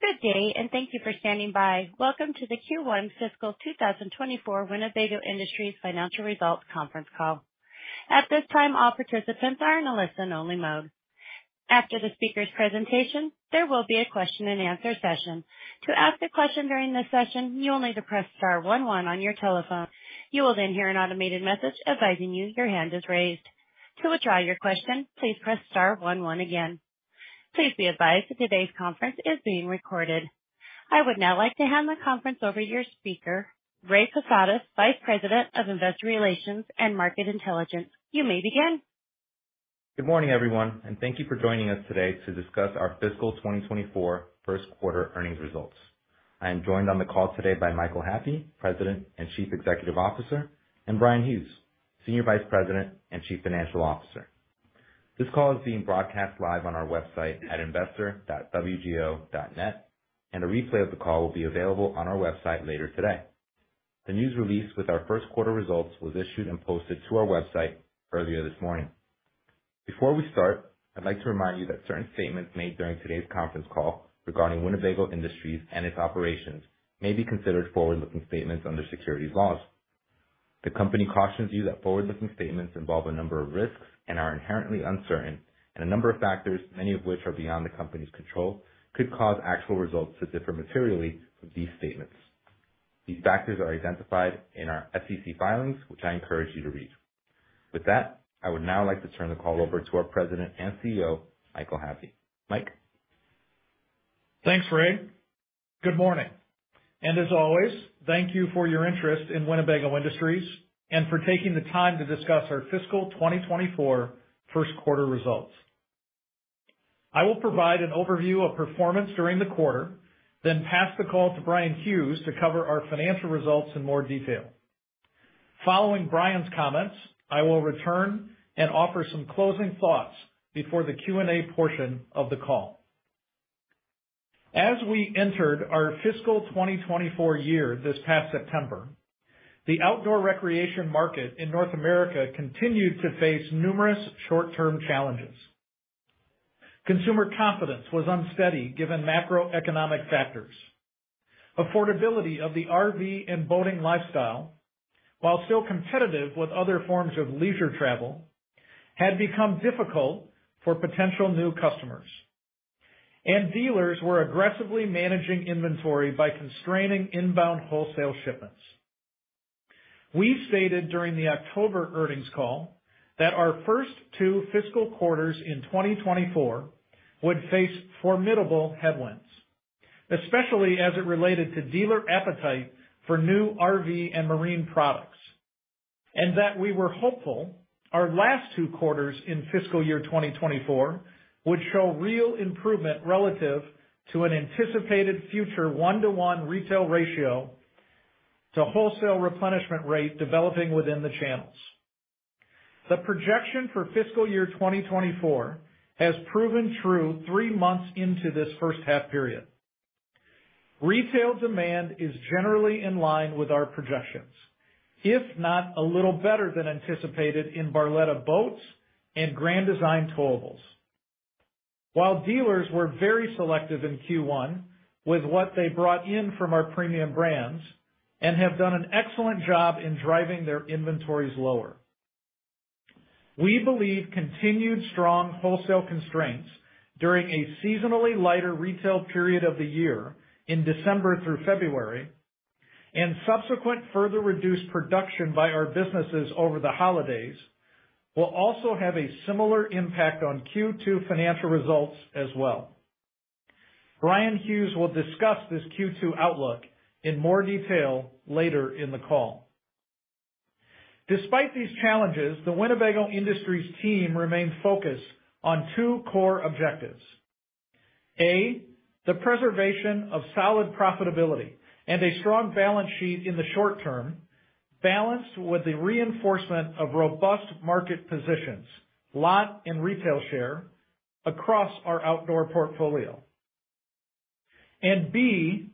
Good day, and thank you for standing by. Welcome to the Q1 Fiscal 2024 Winnebago Industries Financial Results conference call. At this time, all participants are in a listen-only mode. After the speaker's presentation, there will be a question-and-answer session. To ask a question during this session, you will need to press star one one on your telephone. You will then hear an automated message advising you your hand is raised. To withdraw your question, please press star one one again. Please be advised that today's conference is being recorded. I would now like to hand the conference over to your speaker, Ray Posadas, Vice President of Investor Relations and Market Intelligence. You may begin. Good morning, everyone, and thank you for joining us today to discuss our fiscal 2024 first quarter earnings results. I am joined on the call today by Michael Happe, President and Chief Executive Officer, and Bryan Hughes, Senior Vice President and Chief Financial Officer. This call is being broadcast live on our website at investor.wgo.net, and a replay of the call will be available on our website later today. The news release with our first quarter results was issued and posted to our website earlier this morning. Before we start, I'd like to remind you that certain statements made during today's conference call regarding Winnebago Industries and its operations may be considered forward-looking statements under securities laws. The company cautions you that forward-looking statements involve a number of risks and are inherently uncertain, and a number of factors, many of which are beyond the company's control, could cause actual results to differ materially from these statements. These factors are identified in our SEC filings, which I encourage you to read. With that, I would now like to turn the call over to our President and CEO, Michael Happe. Mike? Thanks, Ray. Good morning, and as always, thank you for your interest in Winnebago Industries and for taking the time to discuss our fiscal 2024 first quarter results. I will provide an overview of performance during the quarter, then pass the call to Bryan Hughes to cover our financial results in more detail. Following Brian's comments, I will return and offer some closing thoughts before the Q&A portion of the call. As we entered our fiscal 2024 year this past September, the outdoor recreation market in North America continued to face numerous short-term challenges. Consumer confidence was unsteady, given macroeconomic factors. Affordability of the RV and boating lifestyle, while still competitive with other forms of leisure travel, had become difficult for potential new customers, and dealers were aggressively managing inventory by constraining inbound wholesale shipments. We stated during the October earnings call that our first two fiscal quarters in 2024 would face formidable headwinds, especially as it related to dealer appetite for new RV and marine products, and that we were hopeful our last two quarters in fiscal year 2024 would show real improvement relative to an anticipated future one-to-one retail ratio to wholesale replenishment rate developing within the channels. The projection for fiscal year 2024 has proven true three months into this first half period. Retail demand is generally in line with our projections, if not a little better than anticipated in Barletta Boats and Grand Design Towables. While dealers were very selective in Q1 with what they brought in from our premium brands and have done an excellent job in driving their inventories lower, we believe continued strong wholesale constraints during a seasonally lighter retail period of the year in December through February, and subsequent further reduced production by our businesses over the holidays, will also have a similar impact on Q2 financial results as well. Bryan Hughes will discuss this Q2 outlook in more detail later in the call. Despite these challenges, the Winnebago Industries team remains focused on two core objectives: A, the preservation of solid profitability and a strong balance sheet in the short term, balanced with the reinforcement of robust market positions, lot and retail share across our outdoor portfolio. And B,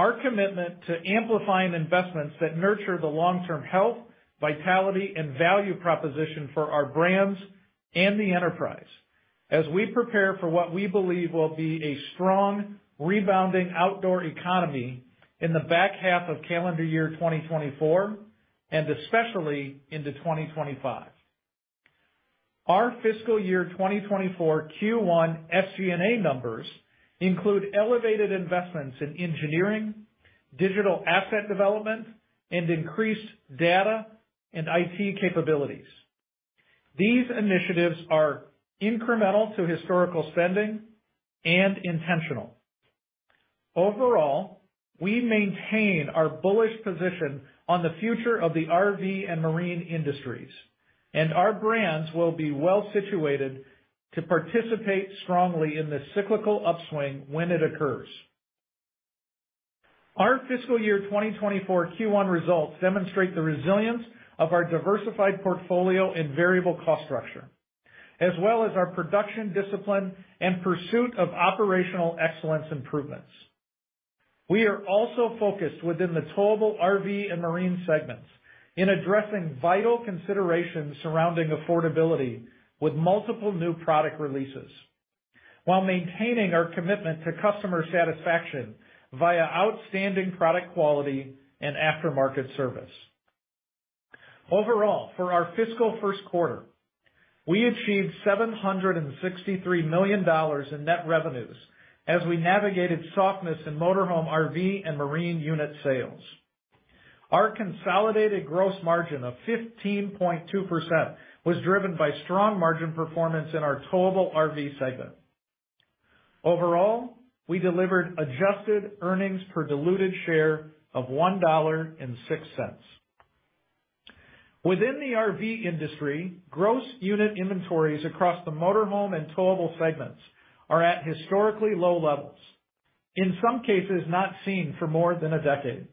our commitment to amplifying investments that nurture the long-term health, vitality, and value proposition for our brands and the enterprise as we prepare for what we believe will be a strong, rebounding outdoor economy in the back half of calendar year 2024, and especially into 2025. Our fiscal year 2024 Q1 SG&A numbers include elevated investments in engineering, digital asset development, and increased data and IT capabilities. These initiatives are incremental to historical spending and intentional. Overall, we maintain our bullish position on the future of the RV and marine industries, and our brands will be well-situated to participate strongly in this cyclical upswing when it occurs. Our fiscal year 2024 Q1 results demonstrate the resilience of our diversified portfolio and variable cost structure, as well as our production discipline and pursuit of operational excellence improvements. We are also focused within the towable RV and marine segments in addressing vital considerations surrounding affordability, with multiple new product releases, while maintaining our commitment to customer satisfaction via outstanding product quality and aftermarket service. Overall, for our fiscal first quarter, we achieved $763 million in net revenues as we navigated softness in motor home, RV, and marine unit sales. Our consolidated gross margin of 15.2% was driven by strong margin performance in our towable RV segment. Overall, we delivered adjusted earnings per diluted share of $1.06. Within the RV industry, gross unit inventories across the motor home and towable segments are at historically low levels, in some cases not seen for more than a decade.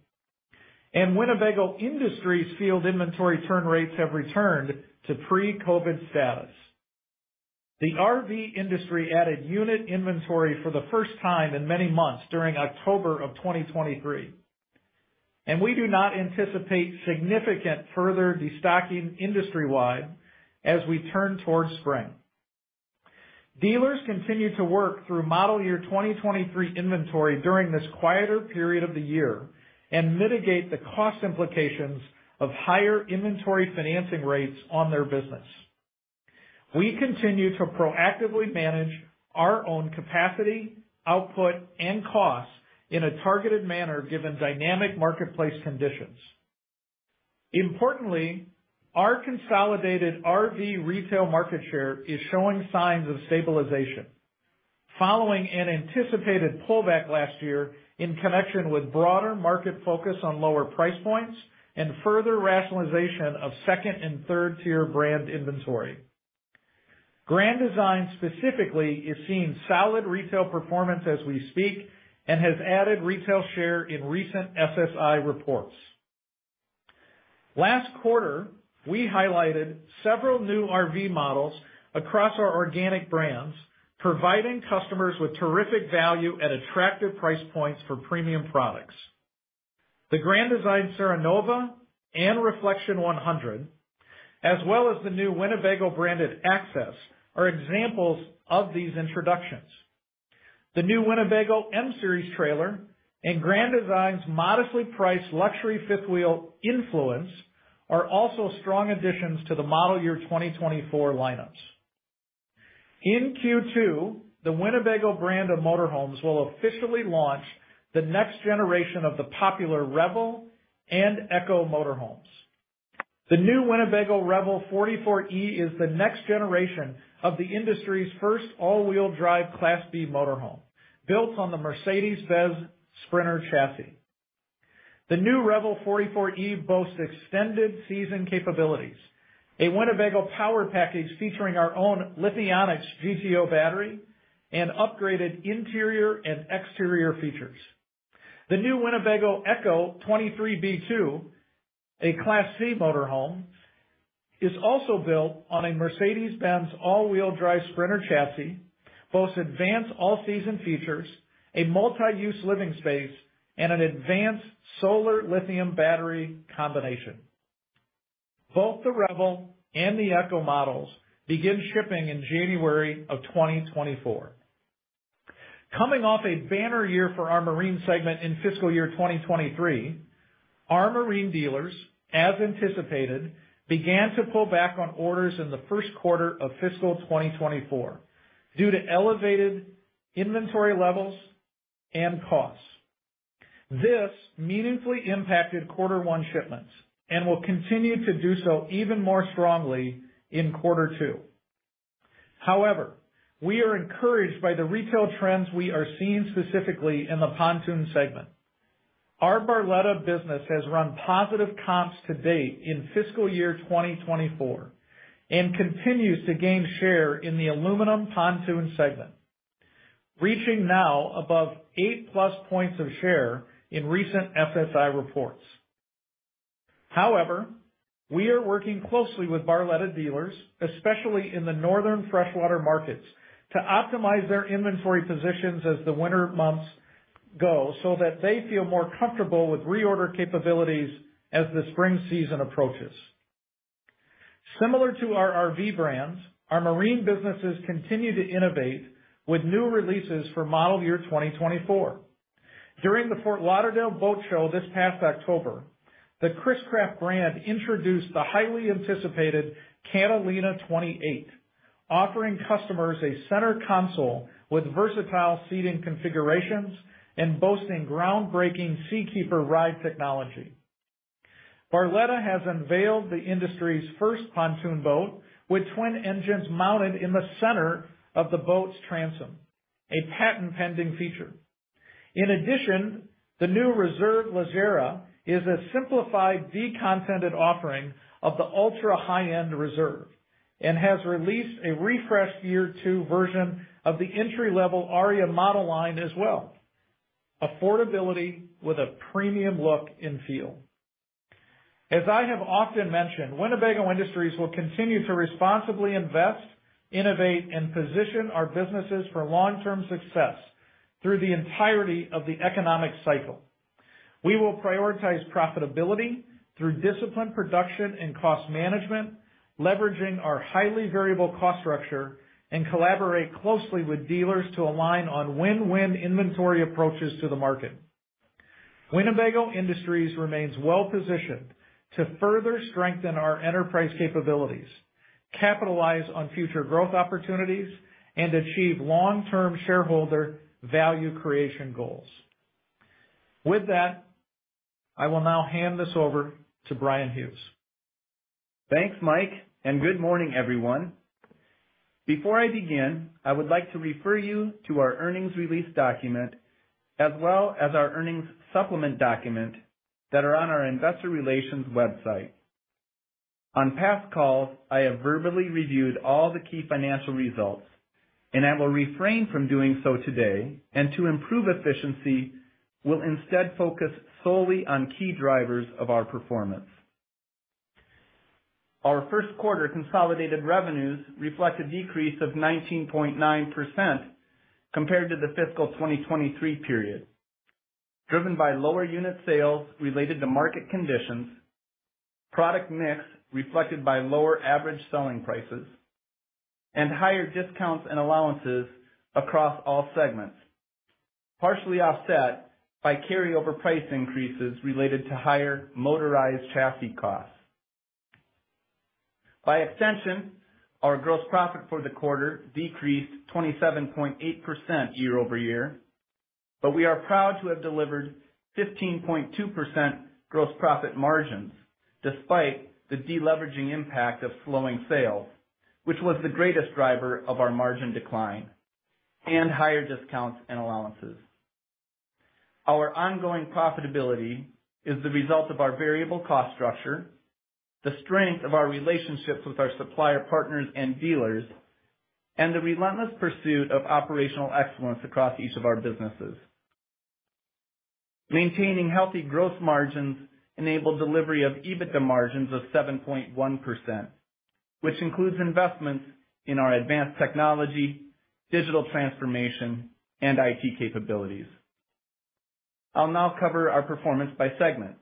Winnebago Industries field inventory turn rates have returned to pre-COVID status. The RV industry added unit inventory for the first time in many months during October of 2023, and we do not anticipate significant further destocking industry-wide as we turn towards spring. Dealers continue to work through model year 2023 inventory during this quieter period of the year and mitigate the cost implications of higher inventory financing rates on their business. We continue to proactively manage our own capacity, output, and costs in a targeted manner, given dynamic marketplace conditions. Importantly, our consolidated RV retail market share is showing signs of stabilization, following an anticipated pullback last year in connection with broader market focus on lower price points and further rationalization of second and third-tier brand inventory. Grand Design specifically is seeing solid retail performance as we speak and has added retail share in recent SSI reports. Last quarter, we highlighted several new RV models across our organic brands, providing customers with terrific value at attractive price points for premium products. The Grand Design Serenova and Reflection 100, as well as the new Winnebago-branded Access, are examples of these introductions. The new Winnebago M-Series trailer and Grand Design's modestly priced luxury fifth wheel Influence are also strong additions to the model year 2024 lineups. In Q2, the Winnebago brand of motor homes will officially launch the next generation of the popular Revel and Ekko motor homes. The new Winnebago Revel 44E is the next generation of the industry's first all-wheel drive Class B motor home, built on the Mercedes-Benz Sprinter chassis. The new Revel 44E boasts extended season capabilities, a Winnebago power package featuring our own Lithionics GTO battery, and upgraded interior and exterior features. The new Winnebago Ekko 23B2, a Class C motor home, is also built on a Mercedes-Benz all-wheel drive Sprinter chassis, boasts advanced all-season features, a multi-use living space, and an advanced solar lithium battery combination. Both the Revel and the Ekko models begin shipping in January of 2024. Coming off a banner year for our marine segment in fiscal year 2023, our marine dealers, as anticipated, began to pull back on orders in the first quarter of fiscal 2024 due to elevated inventory levels and costs. This meaningfully impacted quarter one shipments and will continue to do so even more strongly in quarter two. However, we are encouraged by the retail trends we are seeing, specifically in the pontoon segment. Our Barletta business has run positive comps to date in fiscal year 2024 and continues to gain share in the aluminum pontoon segment, reaching now above 8+ points of share in recent SSI reports. However, we are working closely with Barletta dealers, especially in the northern freshwater markets, to optimize their inventory positions as the winter months go, so that they feel more comfortable with reorder capabilities as the spring season approaches. Similar to our RV brands, our marine businesses continue to innovate with new releases for model year 2024. During the Fort Lauderdale Boat Show this past October, the Chris-Craft brand introduced the highly anticipated Catalina 28, offering customers a center console with versatile seating configurations and boasting groundbreaking Seakeeper Ride technology. Barletta has unveiled the industry's first pontoon boat with twin engines mounted in the center of the boat's transom, a patent-pending feature. In addition, the new Reserve Leggera is a simplified, de-contented offering of the ultra-high-end Reserve and has released a refreshed year two version of the entry-level Aria model line as well. Affordability with a premium look and feel.... As I have often mentioned, Winnebago Industries will continue to responsibly invest, innovate, and position our businesses for long-term success through the entirety of the economic cycle. We will prioritize profitability through disciplined production and cost management, leveraging our highly variable cost structure, and collaborate closely with dealers to align on win-win inventory approaches to the market. Winnebago Industries remains well-positioned to further strengthen our enterprise capabilities, capitalize on future growth opportunities, and achieve long-term shareholder value creation goals. With that, I will now hand this over to Bryan Hughes. Thanks, Mike, and good morning, everyone. Before I begin, I would like to refer you to our earnings release document as well as our earnings supplement document that are on our investor relations website. On past calls, I have verbally reviewed all the key financial results, and I will refrain from doing so today, and to improve efficiency, will instead focus solely on key drivers of our performance. Our first quarter consolidated revenues reflect a decrease of 19.9% compared to the fiscal 2023 period, driven by lower unit sales related to market conditions, product mix reflected by lower average selling prices, and higher discounts and allowances across all segments, partially offset by carryover price increases related to higher motorized chassis costs. By extension, our gross profit for the quarter decreased 27.8% year over year, but we are proud to have delivered 15.2% gross profit margins despite the deleveraging impact of slowing sales, which was the greatest driver of our margin decline and higher discounts and allowances. Our ongoing profitability is the result of our variable cost structure, the strength of our relationships with our supplier partners and dealers, and the relentless pursuit of operational excellence across each of our businesses. Maintaining healthy growth margins enabled delivery of EBITDA margins of 7.1%, which includes investments in our advanced technology, digital transformation, and IT capabilities. I'll now cover our performance by segment.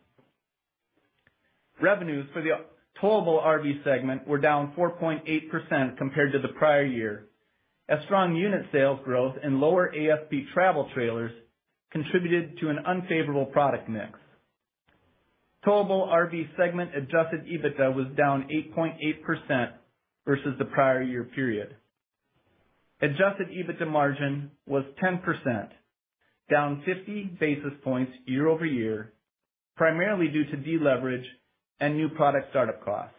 Revenues for the Towable RV segment were down 4.8% compared to the prior year, as strong unit sales growth and lower ASB travel trailers contributed to an unfavorable product mix. Towable RV segment Adjusted EBITDA was down 8.8% versus the prior year period. Adjusted EBITDA margin was 10%, down 50 basis points year-over-year, primarily due to deleverage and new product startup costs.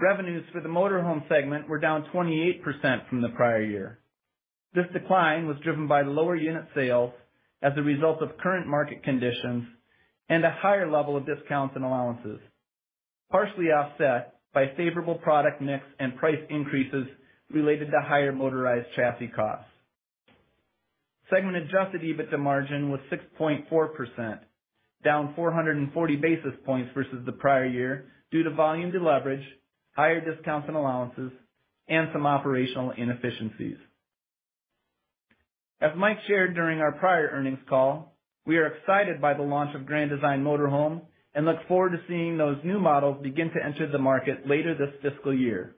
Revenues for the motor home segment were down 28% from the prior year. This decline was driven by lower unit sales as a result of current market conditions and a higher level of discounts and allowances, partially offset by favorable product mix and price increases related to higher motorized chassis costs. Segment Adjusted EBITDA margin was 6.4%, down 440 basis points versus the prior year due to volume deleverage, higher discounts and allowances, and some operational inefficiencies. As Mike shared during our prior earnings call, we are excited by the launch of Grand Design Motorhome and look forward to seeing those new models begin to enter the market later this fiscal year.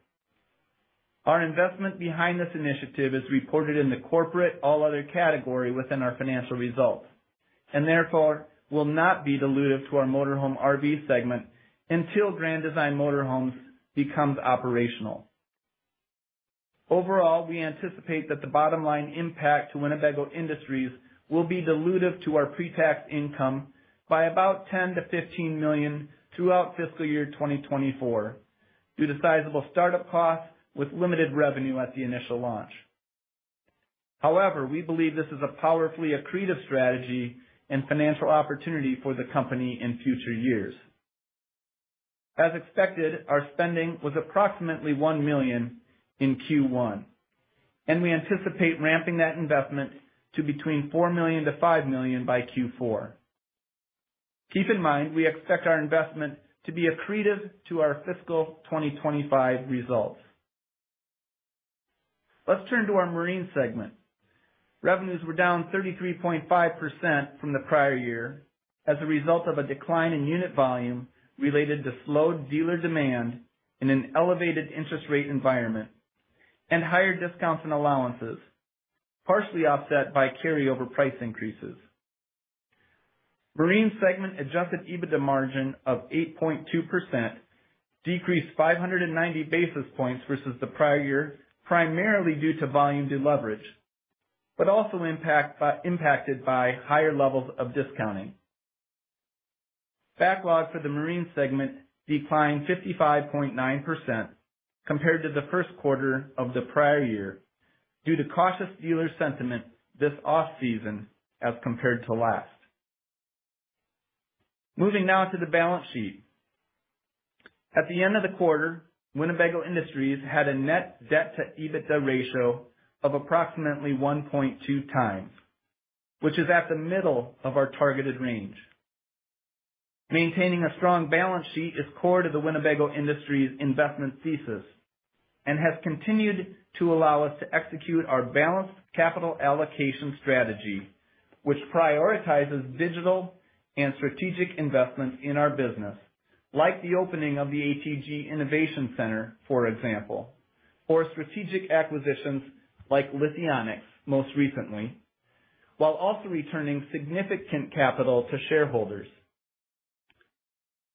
Our investment behind this initiative is reported in the corporate all other category within our financial results, and therefore will not be dilutive to our motorhome RV segment until Grand Design Motorhomes becomes operational. Overall, we anticipate that the bottom line impact to Winnebago Industries will be dilutive to our pre-tax income by about $10 million-$15 million throughout fiscal year 2024, due to sizable startup costs with limited revenue at the initial launch. However, we believe this is a powerfully accretive strategy and financial opportunity for the company in future years. As expected, our spending was approximately $1 million in Q1, and we anticipate ramping that investment to between $4 million-$5 million by Q4. Keep in mind, we expect our investment to be accretive to our fiscal 2025 results. Let's turn to our Marine segment. Revenues were down 33.5% from the prior year as a result of a decline in unit volume related to slowed dealer demand in an elevated interest rate environment and higher discounts and allowances, partially offset by carryover price increases. Marine segment Adjusted EBITDA margin of 8.2% decreased 590 basis points versus the prior year, primarily due to volume deleverage, but also impacted by higher levels of discounting. Backlog for the Marine segment declined 55.9% compared to the first quarter of the prior year due to cautious dealer sentiment this off-season as compared to last. Moving now to the balance sheet. At the end of the quarter, Winnebago Industries had a net debt-to-EBITDA ratio of approximately 1.2x, which is at the middle of our targeted range. Maintaining a strong balance sheet is core to the Winnebago Industries investment thesis and has continued to allow us to execute our balanced capital allocation strategy, which prioritizes digital and strategic investments in our business, like the opening of the ATG Innovation Center, for example, or strategic acquisitions like Lithionics, most recently, while also returning significant capital to shareholders.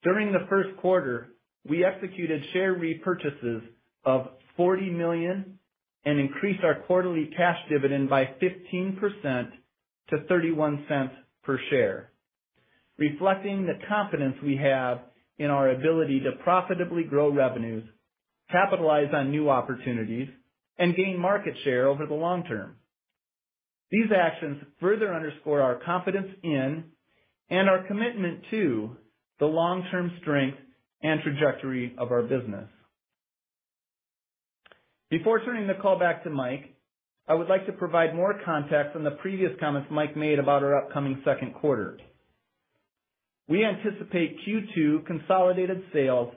During the first quarter, we executed share repurchases of $40 million and increased our quarterly cash dividend by 15%-$0.31 per share, reflecting the confidence we have in our ability to profitably grow revenues, capitalize on new opportunities, and gain market share over the long term. These actions further underscore our confidence in and our commitment to the long-term strength and trajectory of our business. Before turning the call back to Mike, I would like to provide more context on the previous comments Mike made about our upcoming second quarter. We anticipate Q2 consolidated sales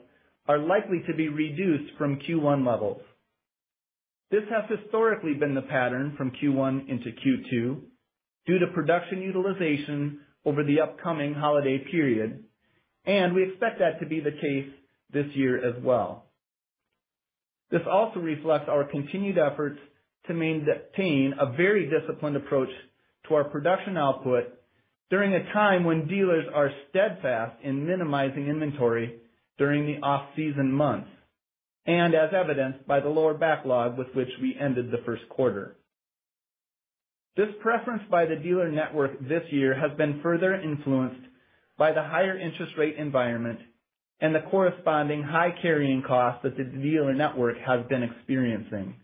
are likely to be reduced from Q1 levels. This has historically been the pattern from Q1 into Q2 due to production utilization over the upcoming holiday period, and we expect that to be the case this year as well. This also reflects our continued efforts to maintain a very disciplined approach to our production output during a time when dealers are steadfast in minimizing inventory during the off-season months, and as evidenced by the lower backlog with which we ended the first quarter. This preference by the dealer network this year has been further influenced by the higher interest rate environment and the corresponding high carrying costs that the dealer network has been experiencing.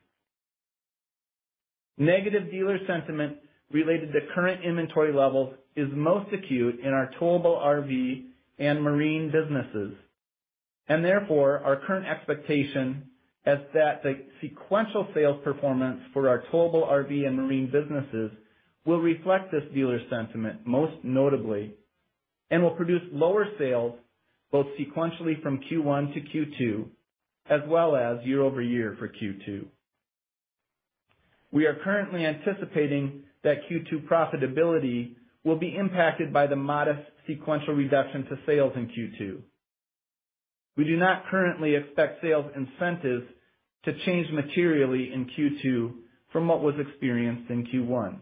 Negative dealer sentiment related to current inventory levels is most acute in our towable RV and marine businesses, and therefore, our current expectation is that the sequential sales performance for our towable RV and marine businesses will reflect this dealer sentiment, most notably, and will produce lower sales both sequentially from Q1-Q2 as well as year-over-year for Q2. We are currently anticipating that Q2 profitability will be impacted by the modest sequential reduction to sales in Q2. We do not currently expect sales incentives to change materially in Q2 from what was experienced in Q1.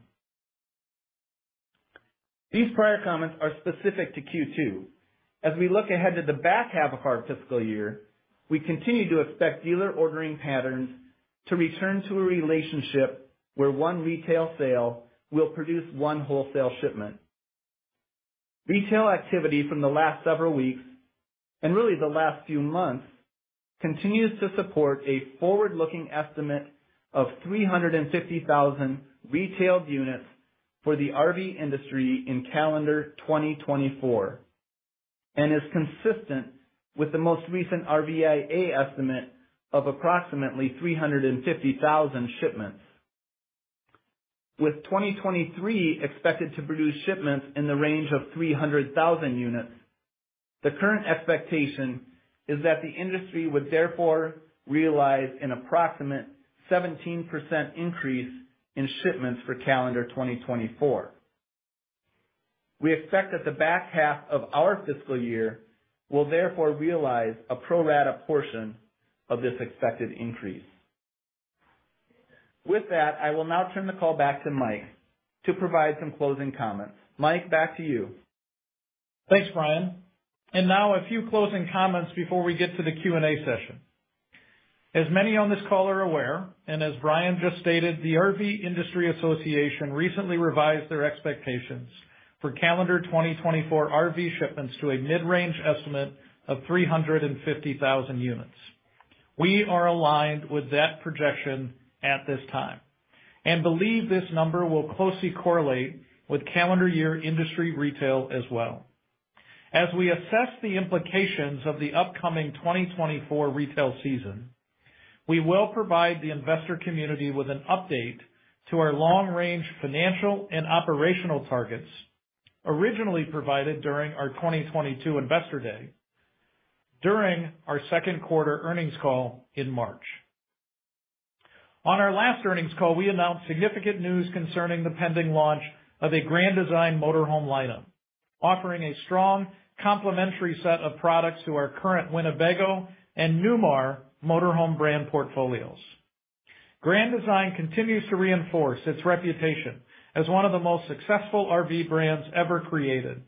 These prior comments are specific to Q2. As we look ahead to the back half of our fiscal year, we continue to expect dealer ordering patterns to return to a relationship where one retail sale will produce one wholesale shipment. Retail activity from the last several weeks, and really the last few months, continues to support a forward-looking estimate of 350,000 retailed units for the RV industry in calendar 2024, and is consistent with the most recent RVIA estimate of approximately 350,000 shipments. With 2023 expected to produce shipments in the range of 300,000 units, the current expectation is that the industry would therefore realize an approximate 17% increase in shipments for calendar 2024. We expect that the back half of our fiscal year will therefore realize a pro rata portion of this expected increase. With that, I will now turn the call back to Mike to provide some closing comments. Mike, back to you. Thanks, Brian. And now a few closing comments before we get to the Q&A session. As many on this call are aware, and as Brian just stated, the RV Industry Association recently revised their expectations for calendar 2024 RV shipments to a mid-range estimate of 350,000 units. We are aligned with that projection at this time and believe this number will closely correlate with calendar year industry retail as well. As we assess the implications of the upcoming 2024 retail season, we will provide the investor community with an update to our long-range financial and operational targets, originally provided during our 2022 Investor Day, during our second quarter earnings call in March. On our last earnings call, we announced significant news concerning the pending launch of a Grand Design motor home lineup, offering a strong, complementary set of products to our current Winnebago and Newmar motor home brand portfolios. Grand Design continues to reinforce its reputation as one of the most successful RV brands ever created,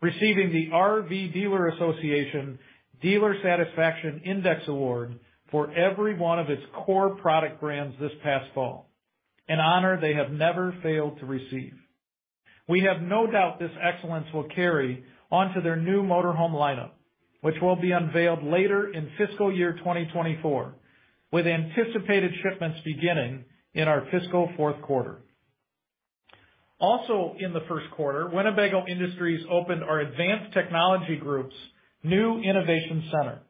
receiving the RV Dealers Association Dealer Satisfaction Index Award for every one of its core product brands this past fall, an honor they have never failed to receive. We have no doubt this excellence will carry on to their new motor home lineup, which will be unveiled later in fiscal year 2024, with anticipated shipments beginning in our fiscal fourth quarter. Also in the first quarter, Winnebago Industries opened our Advanced Technology Group's new innovation center,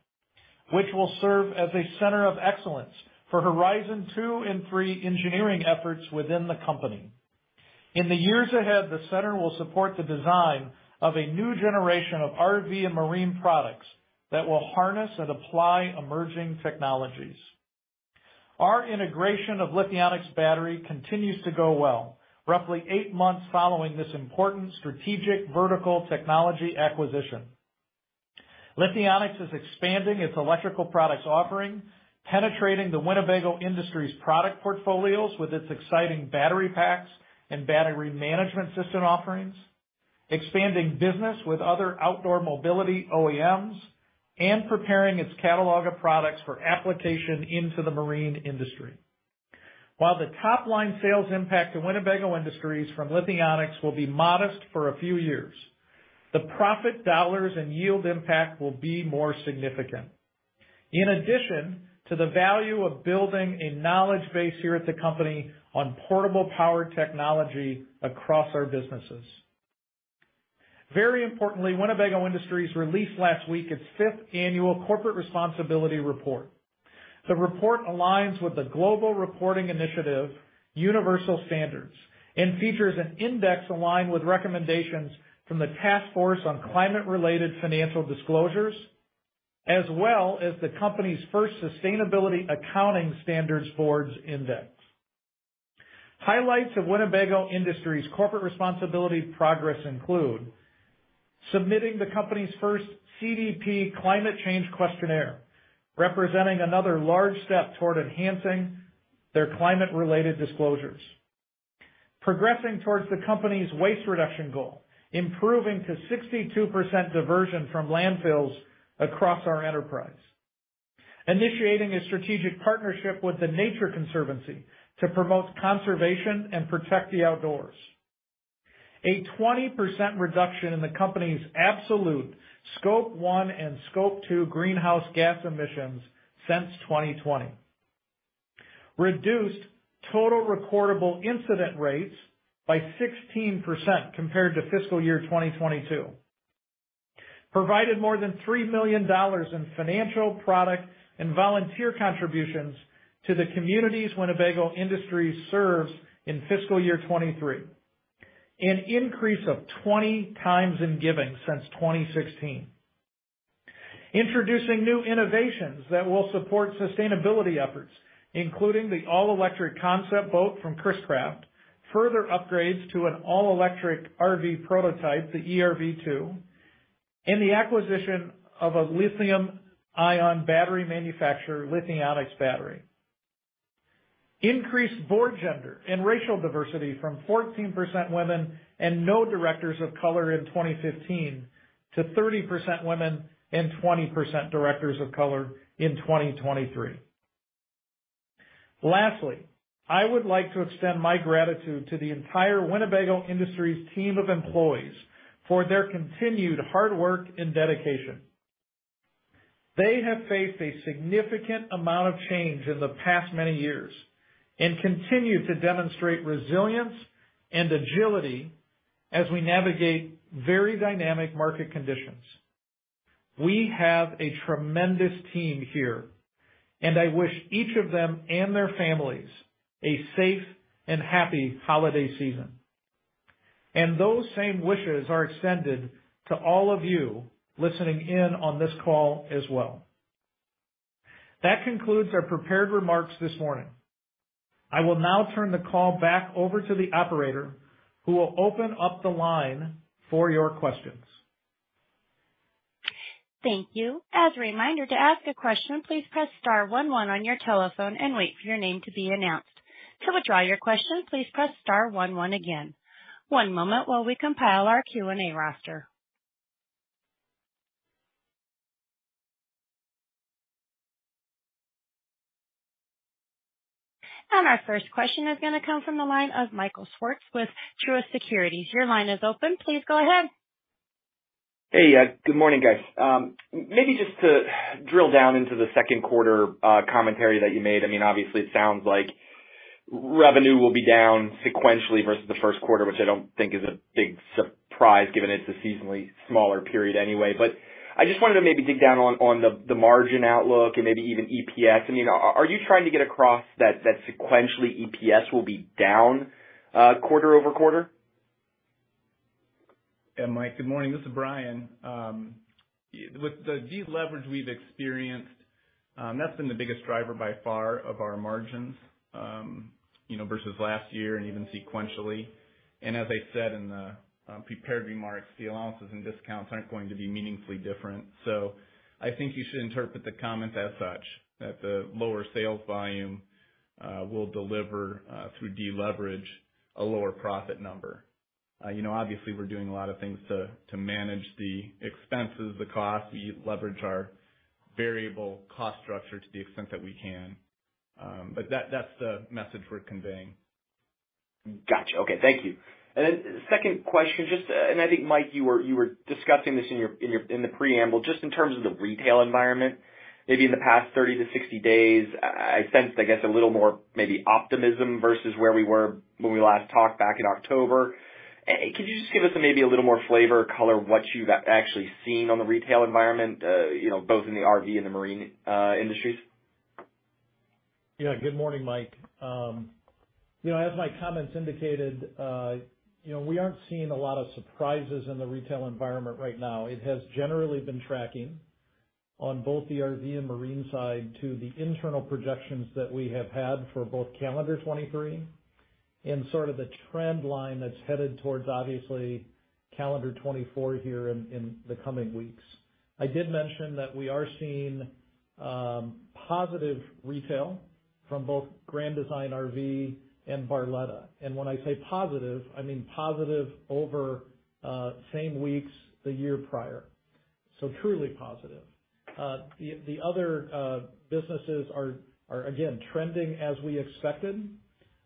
which will serve as a center of excellence for Horizon 2 and 3 engineering efforts within the company. In the years ahead, the center will support the design of a new generation of RV and marine products that will harness and apply emerging technologies. Our integration of Lithionics Battery continues to go well, roughly eight months following this important strategic vertical technology acquisition. Lithionics is expanding its electrical products offering, penetrating the Winnebago Industries product portfolios with its exciting battery packs and battery management system offerings, expanding business with other outdoor mobility OEMs, and preparing its catalog of products for application into the marine industry. While the top-line sales impact to Winnebago Industries from Lithionics will be modest for a few years, the profit dollars and yield impact will be more significant. In addition to the value of building a knowledge base here at the company on portable power technology across our businesses. Very importantly, Winnebago Industries released last week its fifth annual corporate responsibility report. The report aligns with the Global Reporting Initiative universal standards and features an index aligned with recommendations from the Task Force on Climate-Related Financial Disclosures, as well as the company's first Sustainability Accounting Standards Board's index. Highlights of Winnebago Industries' corporate responsibility progress include submitting the company's first CDP Climate Change Questionnaire, representing another large step toward enhancing their climate-related disclosures. Progressing towards the company's waste reduction goal, improving to 62% diversion from landfills across our enterprise. Initiating a strategic partnership with The Nature Conservancy to promote conservation and protect the outdoors. A 20% reduction in the company's absolute Scope 1 and Scope 2 greenhouse gas emissions since 2020. Reduced total recordable incident rates by 16% compared to fiscal year 2022. Provided more than $3 million in financial, product, and volunteer contributions to the communities Winnebago Industries serves in fiscal year 2023, an increase of 20x in giving since 2016. Introducing new innovations that will support sustainability efforts, including the all-electric concept boat from Chris-Craft, further upgrades to an all-electric RV prototype, the eRV2, and the acquisition of a lithium-ion battery manufacturer, Lithionics Battery. Increased board gender and racial diversity from 14% women and no directors of color in 2015 to 30% women and 20% directors of color in 2023. Lastly, I would like to extend my gratitude to the entire Winnebago Industries team of employees for their continued hard work and dedication. They have faced a significant amount of change in the past many years and continue to demonstrate resilience and agility as we navigate very dynamic market conditions. We have a tremendous team here, and I wish each of them and their families a safe and happy holiday season, and those same wishes are extended to all of you listening in on this call as well. That concludes our prepared remarks this morning. I will now turn the call back over to the operator, who will open up the line for your questions. Thank you. As a reminder, to ask a question, please press star one one on your telephone and wait for your name to be announced. To withdraw your question, please press star one one again. One moment while we compile our Q&A roster. Our first question is going to come from the line of Michael Swartz with Truist Securities. Your line is open. Please go ahead. Hey, good morning, guys. Maybe just to drill down into the second quarter commentary that you made. I mean, obviously, it sounds like revenue will be down sequentially versus the first quarter, which I don't think is a big surprise given it's a seasonally smaller period anyway. But I just wanted to maybe dig down on the margin outlook and maybe even EPS. I mean, are you trying to get across that sequentially EPS will be down quarter-over-quarter? Yeah, Mike, good morning. This is Bryan. With the deleverage we've experienced, that's been the biggest driver by far of our margins, you know, versus last year and even sequentially. And as I said in the prepared remarks, the allowances and discounts aren't going to be meaningfully different. So I think you should interpret the comments as such, that the lower sales volume will deliver, through deleverage, a lower profit number. You know, obviously, we're doing a lot of things to manage the expenses, the cost. We leverage our variable cost structure to the extent that we can, but that's the message we're conveying.... Gotcha. Okay. Thank you. And then second question, just, and I think, Mike, you were discussing this in your in the preamble, just in terms of the retail environment, maybe in the past 30-60 days, I sensed, I guess, a little more maybe optimism versus where we were when we last talked back in October. Could you just give us maybe a little more flavor or color of what you've actually seen on the retail environment, you know, both in the RV and the marine industries? Yeah. Good morning, Mike. You know, as my comments indicated, you know, we aren't seeing a lot of surprises in the retail environment right now. It has generally been tracking on both the RV and marine side to the internal projections that we have had for both calendar 2023 and sort of the trend line that's headed towards, obviously, calendar 2024 here in the coming weeks. I did mention that we are seeing positive retail from both Grand Design RV and Barletta. And when I say positive, I mean positive over same weeks the year prior, so truly positive. The other businesses are again trending as we expected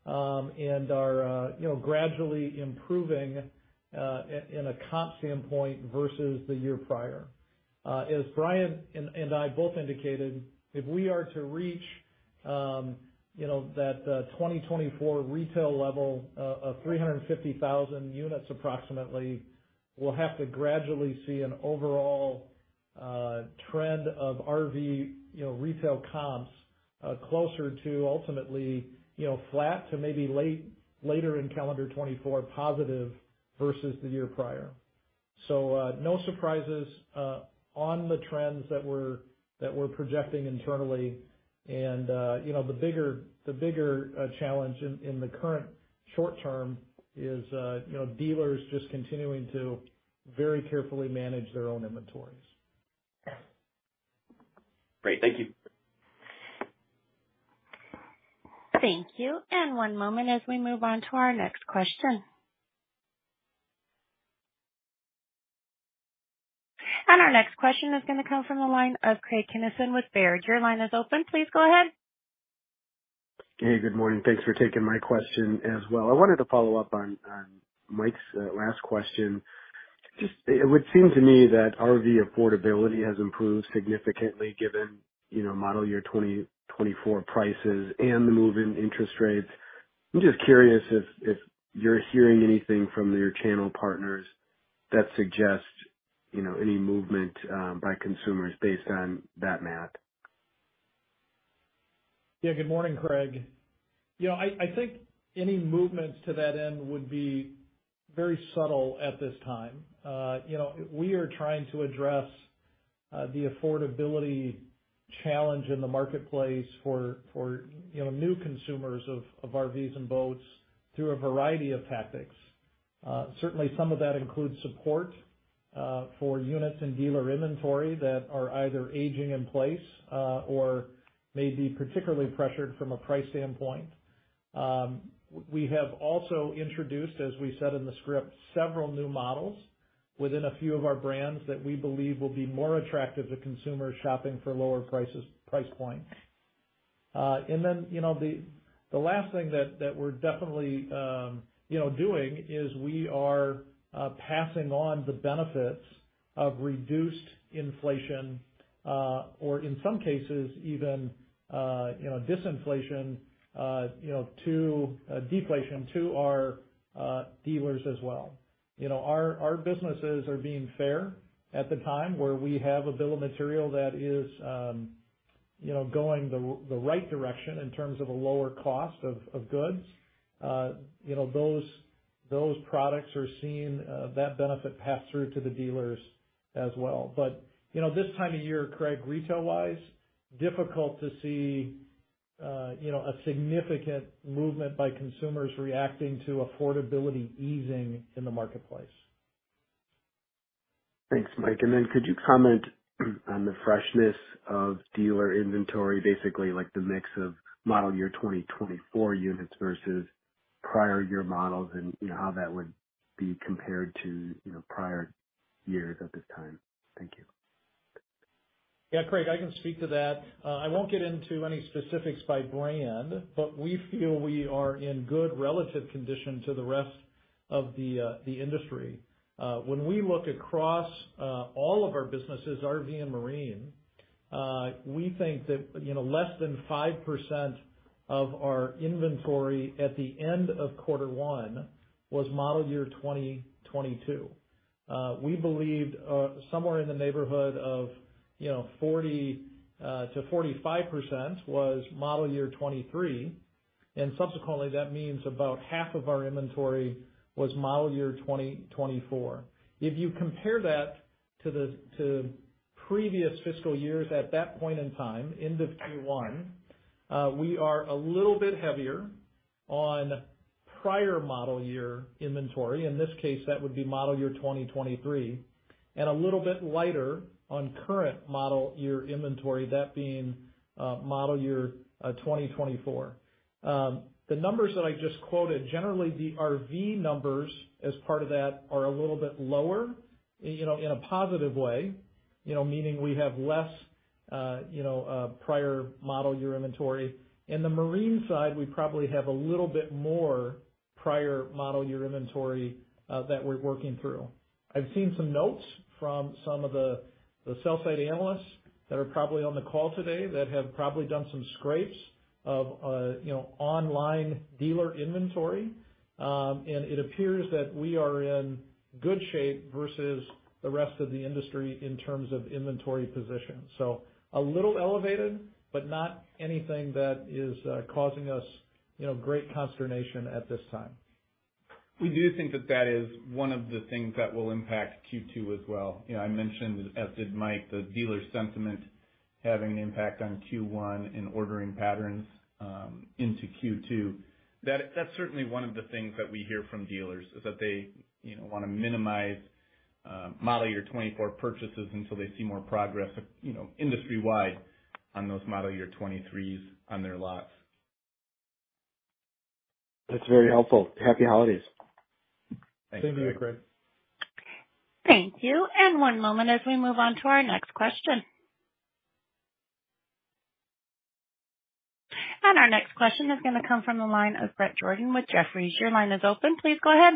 and are you know gradually improving in a comp standpoint versus the year prior. As Brian and I both indicated, if we are to reach, you know, that 2024 retail level of 350,000 units approximately, we'll have to gradually see an overall trend of RV, you know, retail comps closer to ultimately, you know, flat to maybe later in calendar 2024, positive versus the year prior. So, no surprises on the trends that we're projecting internally. And, you know, the bigger challenge in the current short term is, you know, dealers just continuing to very carefully manage their own inventories. Great. Thank you. Thank you. One moment as we move on to our next question. Our next question is going to come from the line of Craig Kennison with Baird. Your line is open. Please go ahead. Hey, good morning. Thanks for taking my question as well. I wanted to follow up on Mike's last question. Just, it would seem to me that RV affordability has improved significantly, given, you know, model year 2024 prices and the move in interest rates. I'm just curious if you're hearing anything from your channel partners that suggest, you know, any movement by consumers based on that, math? Yeah. Good morning, Craig. You know, I think any movements to that end would be very subtle at this time. You know, we are trying to address the affordability challenge in the marketplace for new consumers of RVs and boats through a variety of tactics. Certainly, some of that includes support for units in dealer inventory that are either aging in place or may be particularly pressured from a price standpoint. We have also introduced, as we said in the script, several new models within a few of our brands that we believe will be more attractive to consumers shopping for lower price points. And then, you know, the last thing that we're definitely doing is we are passing on the benefits of reduced inflation, or in some cases even disinflation to deflation to our dealers as well. You know, our businesses are being fair at the time, where we have a bill of material that is going the right direction in terms of a lower cost of goods. You know, those products are seeing that benefit pass through to the dealers as well. But, you know, this time of year, Craig, retail-wise, difficult to see a significant movement by consumers reacting to affordability easing in the marketplace. Thanks, Mike. Then could you comment on the freshness of dealer inventory, basically like the mix of model year 2024 units versus prior year models and, you know, how that would be compared to, you know, prior years at this time? Thank you. Yeah, Craig, I can speak to that. I won't get into any specifics by brand, but we feel we are in good relative condition to the rest of the industry. When we look across all of our businesses, RV and Marine, we think that, you know, less than 5% of our inventory at the end of quarter one was model year 2022. We believed somewhere in the neighborhood of, you know, 40%-45% was model year 2023, and subsequently, that means about half of our inventory was model year 2024. If you compare that to previous fiscal years at that point in time, end of Q1, we are a little bit heavier on prior model year inventory. In this case, that would be model year 2023, and a little bit lighter on current model year inventory, that being model year 2024. The numbers that I just quoted, generally, the RV numbers as part of that are a little bit lower, you know, in a positive way, you know, meaning we have less, you know, prior model year inventory. In the marine side, we probably have a little bit more prior model year inventory that we're working through. I've seen some notes from some of the sell-side analysts that are probably on the call today, that have probably done some scrapes of, you know, online dealer inventory. And it appears that we are in good shape versus the rest of the industry in terms of inventory position. So a little elevated, but not anything that is causing us, you know, great consternation at this time. We do think that that is one of the things that will impact Q2 as well. You know, I mentioned, as did Mike, the dealer sentiment having an impact on Q1 and ordering patterns into Q2. That, that's certainly one of the things that we hear from dealers, is that they, you know, want to minimize model year 2024 purchases until they see more progress, you know, industry-wide on those model year 2023s on their lots. That's very helpful. Happy holidays. Thank you, Craig. Thank you. And one moment as we move on to our next question. And our next question is going to come from the line of Brett Jordan with Jefferies. Your line is open. Please go ahead.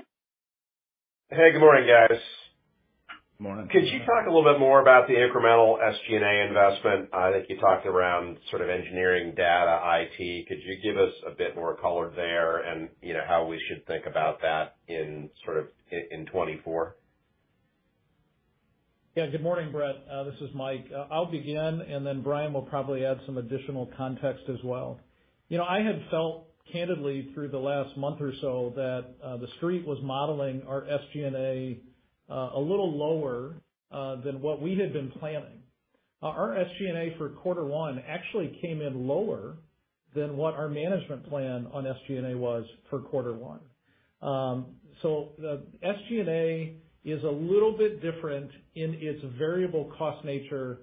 Hey, good morning, guys. Morning. Could you talk a little bit more about the incremental SG&A investment? I think you talked around sort of engineering data, IT. Could you give us a bit more color there and you know, how we should think about that in sort of 2024? Yeah. Good morning, Brett. This is Mike. I'll begin, and then Brian will probably add some additional context as well. You know, I had felt candidly through the last month or so that the street was modeling our SG&A a little lower than what we had been planning. Our SG&A for quarter one actually came in lower than what our management plan on SG&A was for quarter one. So the SG&A is a little bit different in its variable cost nature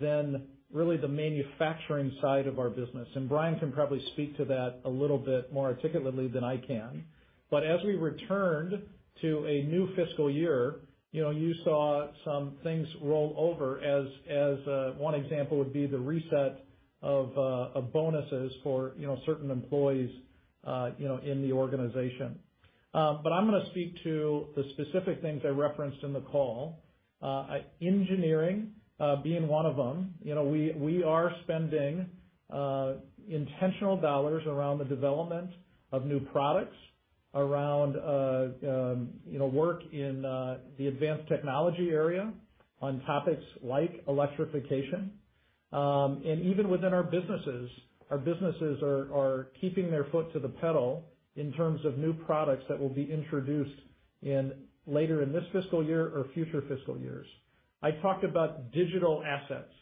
than really the manufacturing side of our business, and Brian can probably speak to that a little bit more articulately than I can. But as we returned to a new fiscal year, you know, you saw some things roll over as, as, one example would be the reset of, of bonuses for, you know, certain employees, you know, in the organization. But I'm going to speak to the specific things I referenced in the call. Engineering, being one of them. You know, we, we are spending intentional dollars around the development of new products, around, you know, work in the advanced technology area on topics like electrification. And even within our businesses, our businesses are, are keeping their foot to the pedal in terms of new products that will be introduced in later in this fiscal year or future fiscal years. I talked about digital assets.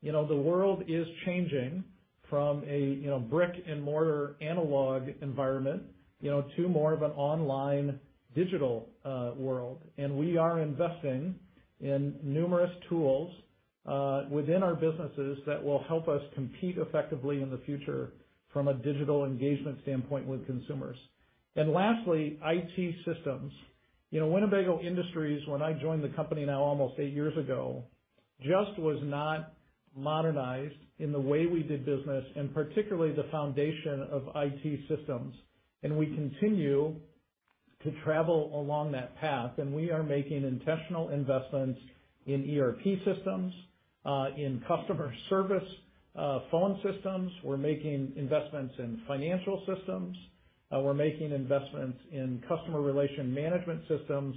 You know, the world is changing from a, you know, brick-and-mortar analog environment, you know, to more of an online digital world. And we are investing in numerous tools within our businesses that will help us compete effectively in the future from a digital engagement standpoint with consumers. And lastly, IT systems. You know, Winnebago Industries, when I joined the company now almost eight years ago, just was not modernized in the way we did business, and particularly the foundation of IT systems. And we continue to travel along that path, and we are making intentional investments in ERP systems, in customer service, phone systems. We're making investments in financial systems. We're making investments in customer relationship management systems,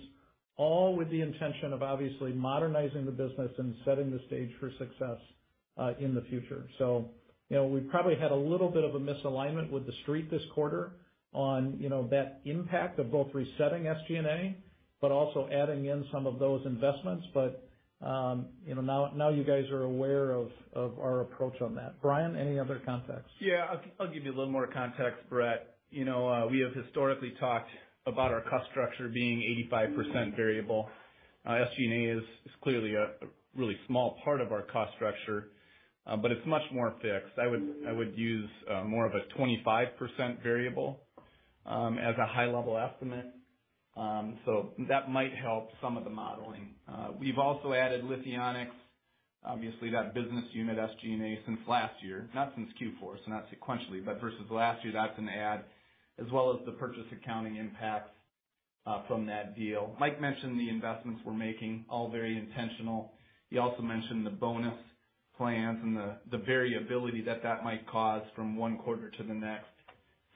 all with the intention of obviously modernizing the business and setting the stage for success in the future. So, you know, we've probably had a little bit of a misalignment with the street this quarter on, you know, that impact of both resetting SG&A, but also adding in some of those investments. But, you know, now you guys are aware of our approach on that. Bryan, any other context? Yeah, I'll give you a little more context, Brett. You know, we have historically talked about our cost structure being 85% variable. SG&A is clearly a really small part of our cost structure, but it's much more fixed. I would use more of a 25% variable as a high-level estimate. So that might help some of the modeling. We've also added Lithionics, obviously that business unit SG&A since last year, not since Q4, so not sequentially, but versus last year, that's an add, as well as the purchase accounting impacts from that deal. Mike mentioned the investments we're making, all very intentional. He also mentioned the bonus plans and the variability that that might cause from one quarter to the next.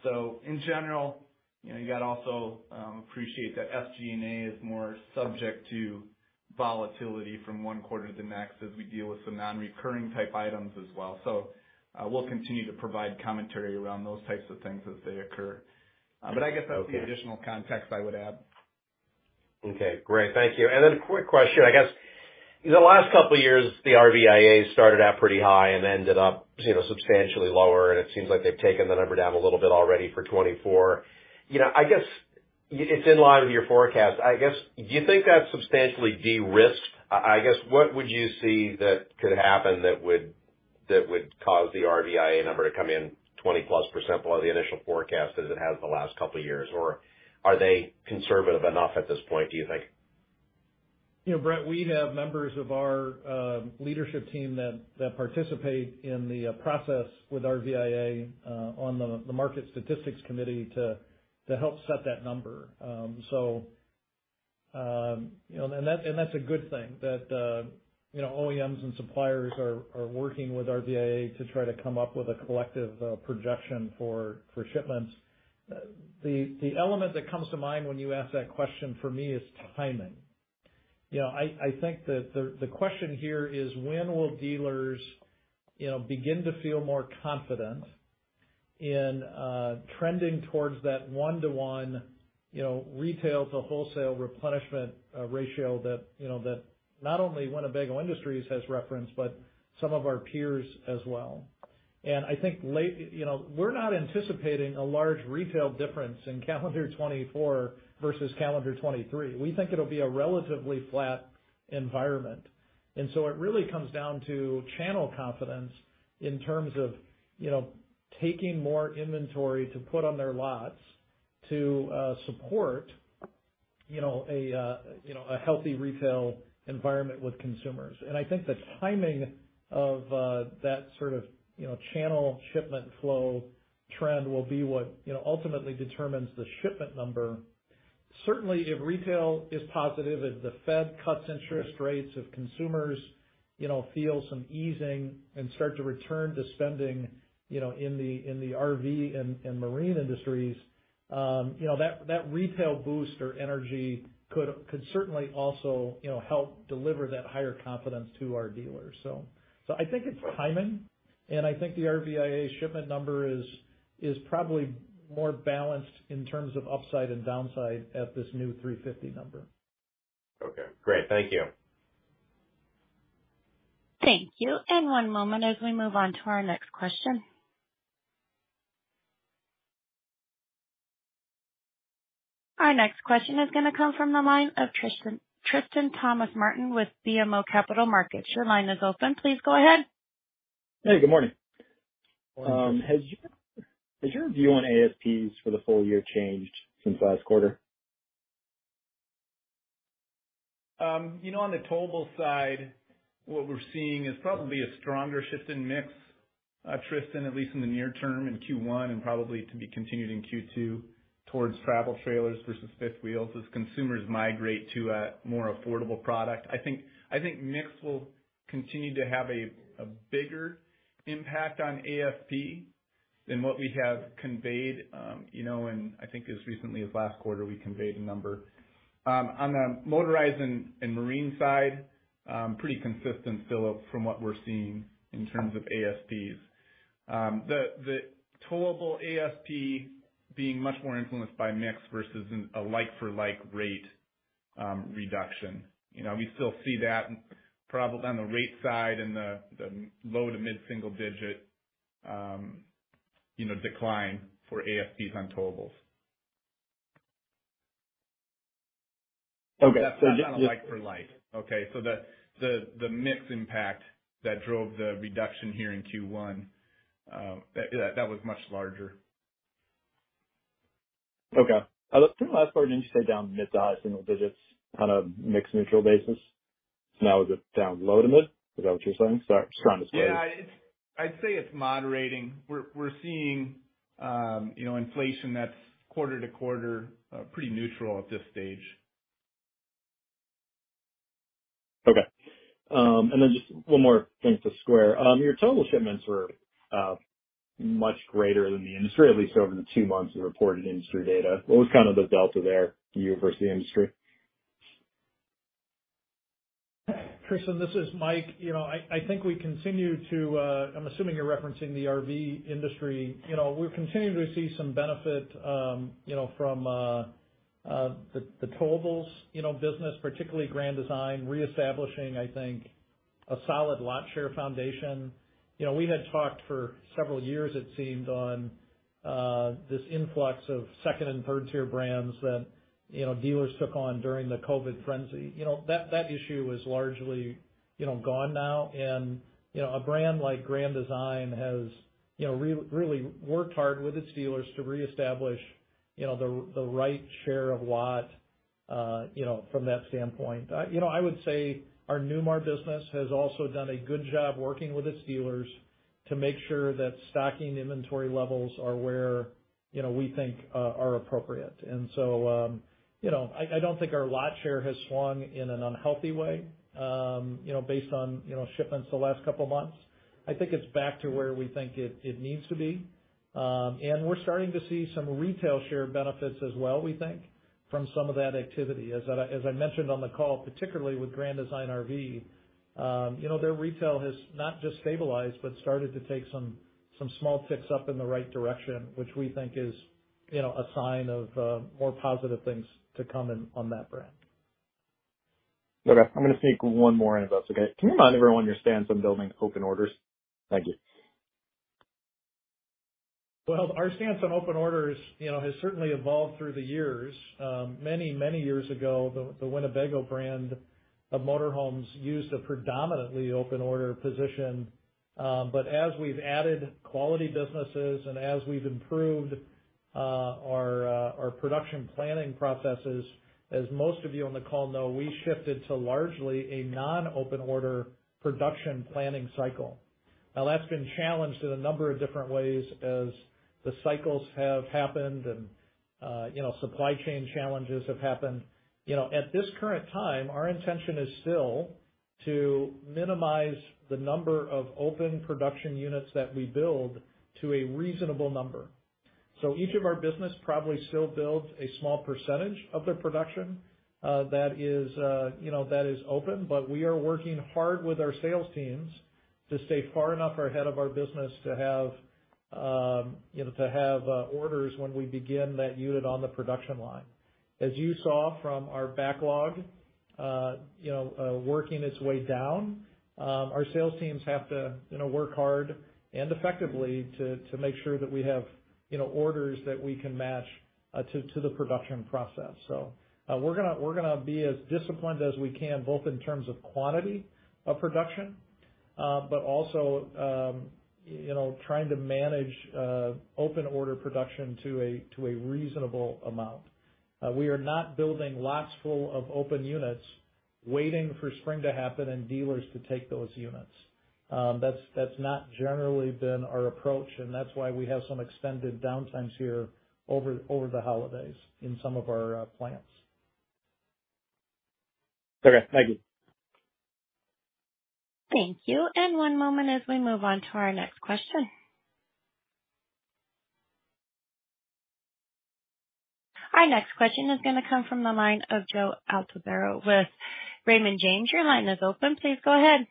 So in general, you know, you got to also appreciate that SG&A is more subject to volatility from one quarter to the next, as we deal with some non-recurring type items as well. So, we'll continue to provide commentary around those types of things as they occur. But I guess that's the additional context I would add. Okay, great. Thank you. And then a quick question, I guess. The last couple of years, the RVIA started out pretty high and ended up, you know, substantially lower, and it seems like they've taken the number down a little bit already for 2024. You know, I guess it's in line with your forecast. I guess, do you think that's substantially de-risked? I, I guess, what would you see that could happen that would, that would cause the RVIA number to come in 20%+ below the initial forecast as it has the last couple of years? Or are they conservative enough at this point, do you think? ... You know, Brett, we have members of our leadership team that participate in the process with RVIA on the Market Statistics Committee to help set that number. So, you know, and that's a good thing that you know, OEMs and suppliers are working with RVIA to try to come up with a collective projection for shipments. The element that comes to mind when you ask that question for me is timing. You know, I think that the question here is when will dealers, you know, begin to feel more confident in trending towards that one:one, you know, retail to wholesale replenishment ratio that, you know, that not only Winnebago Industries has referenced, but some of our peers as well. And I think, you know, we're not anticipating a large retail difference in calendar 2024 versus calendar 2023. We think it'll be a relatively flat environment. And so it really comes down to channel confidence in terms of, you know, taking more inventory to put on their lots to support, you know, a you know a healthy retail environment with consumers. And I think the timing of that sort of, you know, channel shipment flow trend will be what, you know, ultimately determines the shipment number. Certainly, if retail is positive, if the Fed cuts interest rates, if consumers, you know, feel some easing and start to return to spending, you know, in the, in the RV and, and marine industries, you know, that, that retail boost or energy could, could certainly also, you know, help deliver that higher confidence to our dealers. So, I think it's timing, and I think the RVIA shipment number is probably more balanced in terms of upside and downside at this new 350 number. Okay, great. Thank you. Thank you. One moment as we move on to our next question. Our next question is gonna come from the line of Tristan Thomas-Martin with BMO Capital Markets. Your line is open. Please go ahead. Hey, good morning. Good morning. Has your view on ASPs for the full year changed since last quarter? You know, on the towable side, what we're seeing is probably a stronger shift in mix, Tristan, at least in the near term, in Q1, and probably to be continued in Q2, towards travel trailers versus fifth wheels, as consumers migrate to a more affordable product. I think mix will continue to have a bigger impact on ASP than what we have conveyed. You know, and I think as recently as last quarter, we conveyed a number. On the motorized and marine side, pretty consistent, Philip, from what we're seeing in terms of ASPs. The towable ASP being much more influenced by mix versus a like-for-like rate reduction. You know, we still see that probably on the rate side and the low to mid-single digit decline for ASPs on towables. Okay, so just- Not a like for like, okay? So the mix impact that drove the reduction here in Q1, that was much larger. Okay. In the last quarter, didn't you say down mid to high single digits on a mix neutral basis? So now down low to mid, is that what you're saying? Sorry, just trying to clarify. Yeah, I'd say it's moderating. We're seeing, you know, inflation that's quarter to quarter, pretty neutral at this stage. Okay. And then just one more thing to square. Your total shipments were much greater than the industry, at least over the two months of reported industry data. What was kind of the delta there, you versus the industry? Tristan, this is Mike. You know, I think we continue to, I'm assuming you're referencing the RV industry. You know, we've continued to see some benefit, you know, from the towables, you know, business, particularly Grand Design, reestablishing, I think, a solid lot share foundation. You know, we had talked for several years, it seemed, on this influx of second and third-tier brands that, you know, dealers took on during the COVID frenzy. You know, that issue is largely, you know, gone now. And, you know, a brand like Grand Design has, you know, really worked hard with its dealers to reestablish, you know, the right share of lot, you know, from that standpoint. You know, I would say our Newmar business has also done a good job working with its dealers to make sure that stocking inventory levels are where, you know, we think are appropriate. So, you know, I don't think our lot share has swung in an unhealthy way, you know, based on, you know, shipments the last couple of months. I think it's back to where we think it needs to be. And we're starting to see some retail share benefits as well, we think, from some of that activity. As I mentioned on the call, particularly with Grand Design RV, you know, their retail has not just stabilized, but started to take some small ticks up in the right direction, which we think is, you know, a sign of more positive things to come in on that brand. Okay, I'm going to sneak one more in, if that's okay. Can you remind everyone your stance on building open orders? Thank you. Well, our stance on open orders, you know, has certainly evolved through the years. Many, many years ago, the Winnebago brand of motor homes used a predominantly open order position. But as we've added quality businesses and as we've improved our production planning processes, as most of you on the call know, we shifted to largely a non-open order production planning cycle. Now, that's been challenged in a number of different ways as the cycles have happened and, you know, supply chain challenges have happened. You know, at this current time, our intention is still to minimize the number of open production units that we build to a reasonable number. So each of our business probably still builds a small percentage of their production, that is, you know, that is open. But we are working hard with our sales teams to stay far enough ahead of our business to have, you know, to have, orders when we begin that unit on the production line. As you saw from our backlog, you know, working its way down, our sales teams have to, you know, work hard and effectively to, to make sure that we have, you know, orders that we can match, to, to the production process. So, we're gonna, we're gonna be as disciplined as we can, both in terms of quantity of production, but also, you know, trying to manage, open order production to a, to a reasonable amount. We are not building lots full of open units, waiting for spring to happen and dealers to take those units. That's not generally been our approach, and that's why we have some extended downtimes here over the holidays in some of our plants. Okay, thank you. Thank you, and one moment as we move on to our next question. Our next question is gonna come from the line of Joe Altobello with Raymond James. Your line is open. Please go ahead.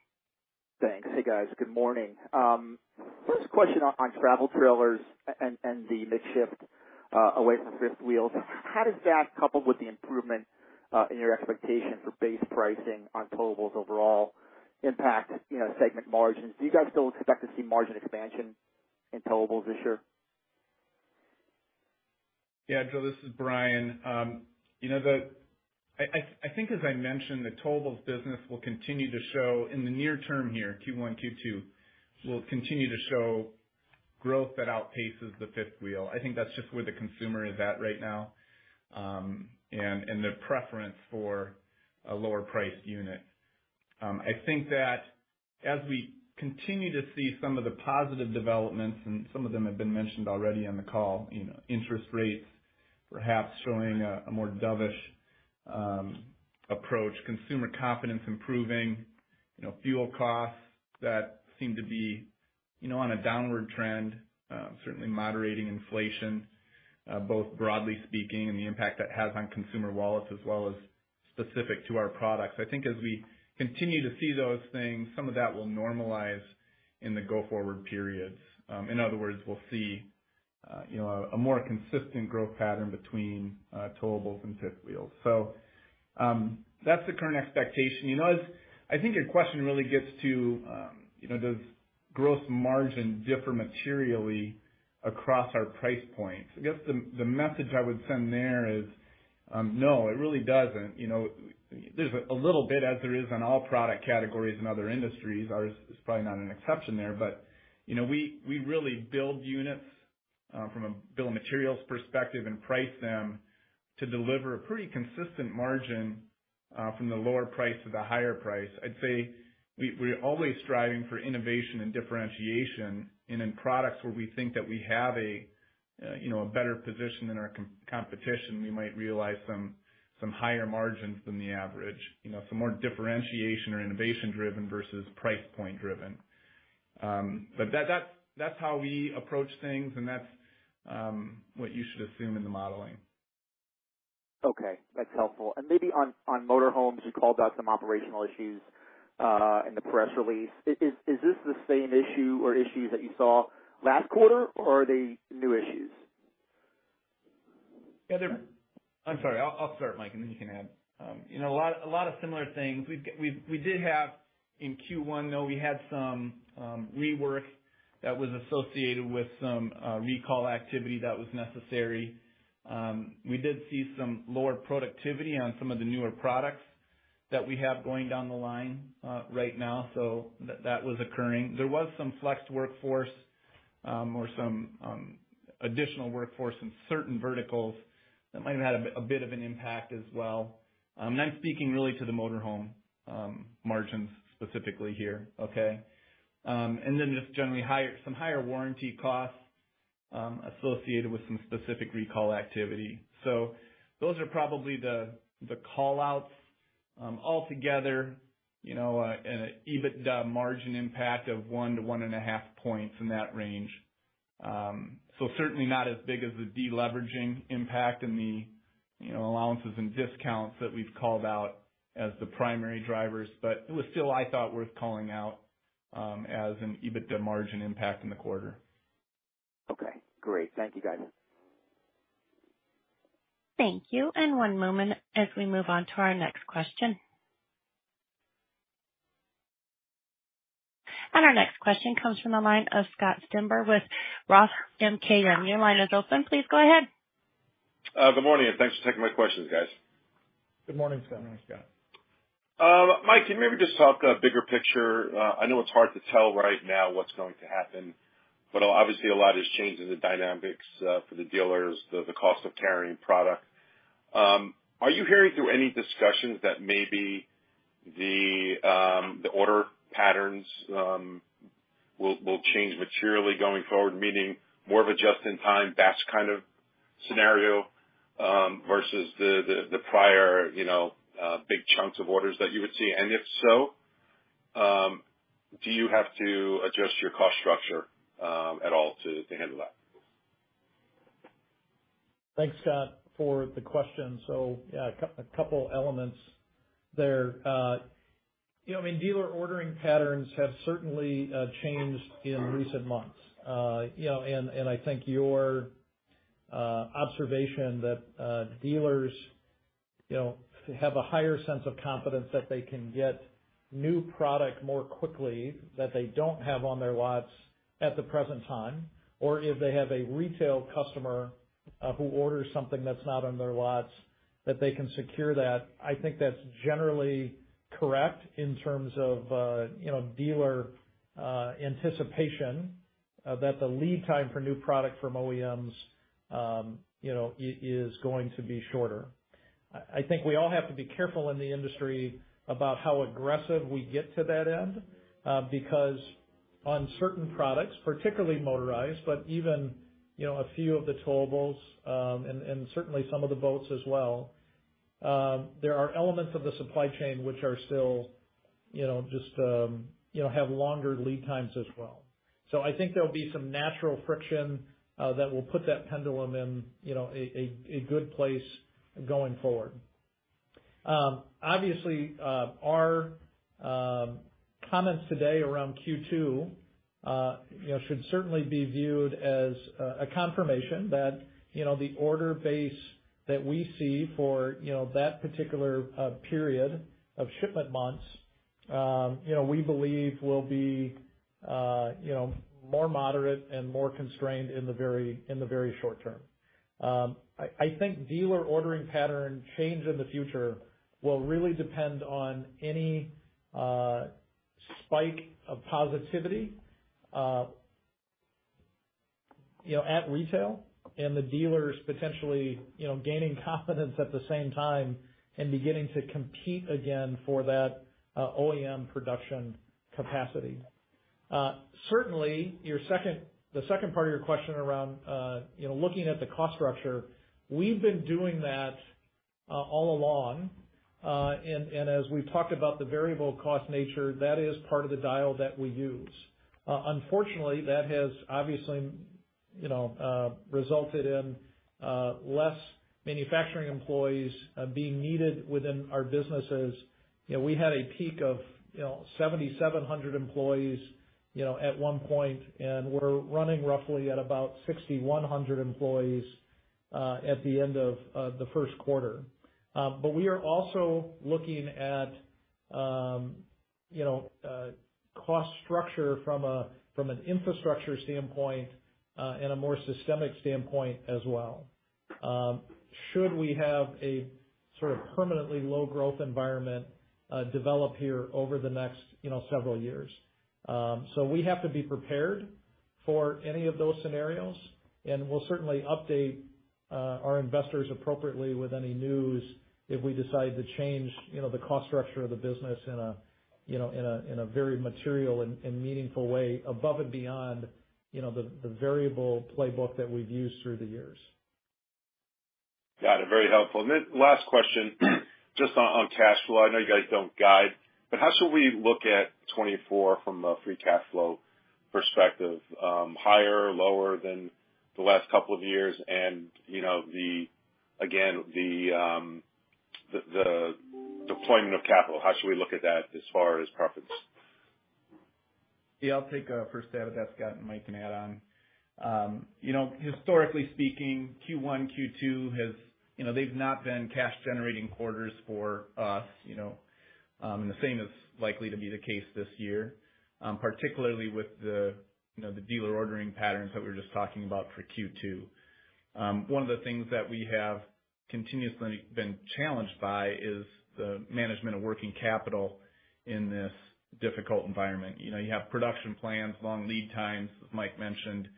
Thanks. Hey, guys. Good morning. First question on travel trailers and the midshift away from fifth wheels. How does that, coupled with the improvement in your expectation for base pricing on towables overall impact, you know, segment margins? Do you guys still expect to see margin expansion in towables this year? Yeah, Joe, this is Bryan. You know, the I think as I mentioned, the towables business will continue to show in the near term here, Q1, Q2, will continue to show growth that outpaces the fifth wheel. I think that's just where the consumer is at right now, and the preference for a lower priced unit. I think that as we continue to see some of the positive developments, and some of them have been mentioned already on the call, you know, interest rates perhaps showing a more dovish approach, consumer confidence improving, you know, fuel costs that seem to be, you know, on a downward trend, certainly moderating inflation, both broadly speaking and the impact that has on consumer wallets as well as specific to our products. I think as we continue to see those things, some of that will normalize in the go-forward periods. In other words, we'll see, you know, a more consistent growth pattern between towables and fifth wheels. So, that's the current expectation. You know, I think your question really gets to, you know, does gross margin differ materially across our price points? I guess the message I would send there is, no, it really doesn't. You know, there's a little bit, as there is in all product categories and other industries, ours is probably not an exception there. But, you know, we really build units from a bill of materials perspective and price them to deliver a pretty consistent margin from the lower price to the higher price. I'd say we're always striving for innovation and differentiation. In products where we think that we have, you know, a better position than our competition, we might realize some higher margins than the average. You know, so more differentiation or innovation driven versus price point driven. But that's how we approach things, and that's what you should assume in the modeling. Okay, that's helpful. Maybe on motor homes, you called out some operational issues in the press release. Is this the same issue or issues that you saw last quarter, or are they new issues? I'm sorry. I'll start, Mike, and then you can add. You know, a lot of similar things. We did have in Q1, though, we had some rework that was associated with some recall activity that was necessary. We did see some lower productivity on some of the newer products that we have going down the line right now, so that was occurring. There was some flex workforce or some additional workforce in certain verticals that might have had a bit of an impact as well. And I'm speaking really to the motor home margins specifically here, okay? And then just generally some higher warranty costs associated with some specific recall activity. So those are probably the call-outs. Altogether, you know, an EBITDA margin impact of 1-1.5 points, in that range. Certainly not as big as the deleveraging impact in the, you know, allowances and discounts that we've called out as the primary drivers, but it was still, I thought, worth calling out, as an EBITDA margin impact in the quarter. Okay, great. Thank you, guys. Thank you. One moment as we move on to our next question. Our next question comes from the line of Scott Stember with Roth MKM. Your line is open. Please go ahead.... good morning, and thanks for taking my questions, guys. Good morning, Scott. Mike, can you maybe just talk a bigger picture? I know it's hard to tell right now what's going to happen, but obviously, a lot has changed in the dynamics for the dealers, the cost of carrying product. Are you hearing through any discussions that maybe the order patterns will change materially going forward, meaning more of a just-in-time, that's kind of scenario, versus the prior, you know, big chunks of orders that you would see? And if so, do you have to adjust your cost structure at all to handle that? Thanks, Scott, for the question. So, yeah, a couple elements there. You know, I mean, dealer ordering patterns have certainly changed in recent months. You know, and, and I think your observation that dealers, you know, have a higher sense of confidence that they can get new product more quickly, that they don't have on their lots at the present time, or if they have a retail customer who orders something that's not on their lots, that they can secure that. I think that's generally correct in terms of, you know, dealer anticipation that the lead time for new product from OEMs, you know, is going to be shorter. I think we all have to be careful in the industry about how aggressive we get to that end, because on certain products, particularly motorized, but even, you know, a few of the towables, and certainly some of the boats as well, there are elements of the supply chain which are still, you know, just have longer lead times as well. So I think there'll be some natural friction that will put that pendulum in, you know, a good place going forward. Obviously, our comments today around Q2, you know, should certainly be viewed as a confirmation that, you know, the order base that we see for, you know, that particular period of shipment months, you know, we believe will be, you know, more moderate and more constrained in the very short term. I think dealer ordering pattern change in the future will really depend on any spike of positivity, you know, at retail and the dealers potentially, you know, gaining confidence at the same time and beginning to compete again for that OEM production capacity. Certainly, your second—the second part of your question around, you know, looking at the cost structure, we've been doing that all along. As we've talked about the variable cost nature, that is part of the dial that we use. Unfortunately, that has obviously, you know, resulted in less manufacturing employees being needed within our businesses. You know, we had a peak of, you know, 7,700 employees, you know, at one point, and we're running roughly at about 6,100 employees at the end of the first quarter. But we are also looking at, you know, cost structure from a, from an infrastructure standpoint, and a more systemic standpoint as well, should we have a sort of permanently low growth environment develop here over the next, you know, several years? So we have to be prepared for any of those scenarios, and we'll certainly update our investors appropriately with any news if we decide to change, you know, the cost structure of the business in a, you know, very material and meaningful way above and beyond, you know, the variable playbook that we've used through the years. Got it. Very helpful. And then last question, just on cash flow. I know you guys don't guide, but how should we look at 2024 from a free cash flow perspective? Higher or lower than the last couple of years, and, you know, the deployment of capital, how should we look at that as far as profits? Yeah, I'll take a first stab at that, Scott, and Mike can add on. You know, historically speaking, Q1, Q2 has. You know, they've not been cash-generating quarters for us, you know, and the same is likely to be the case this year, particularly with the, you know, the dealer ordering patterns that we were just talking about for Q2. One of the things that we have continuously been challenged by is the management of working capital in this difficult environment. You know, you have production plans, long lead times, as Mike mentioned,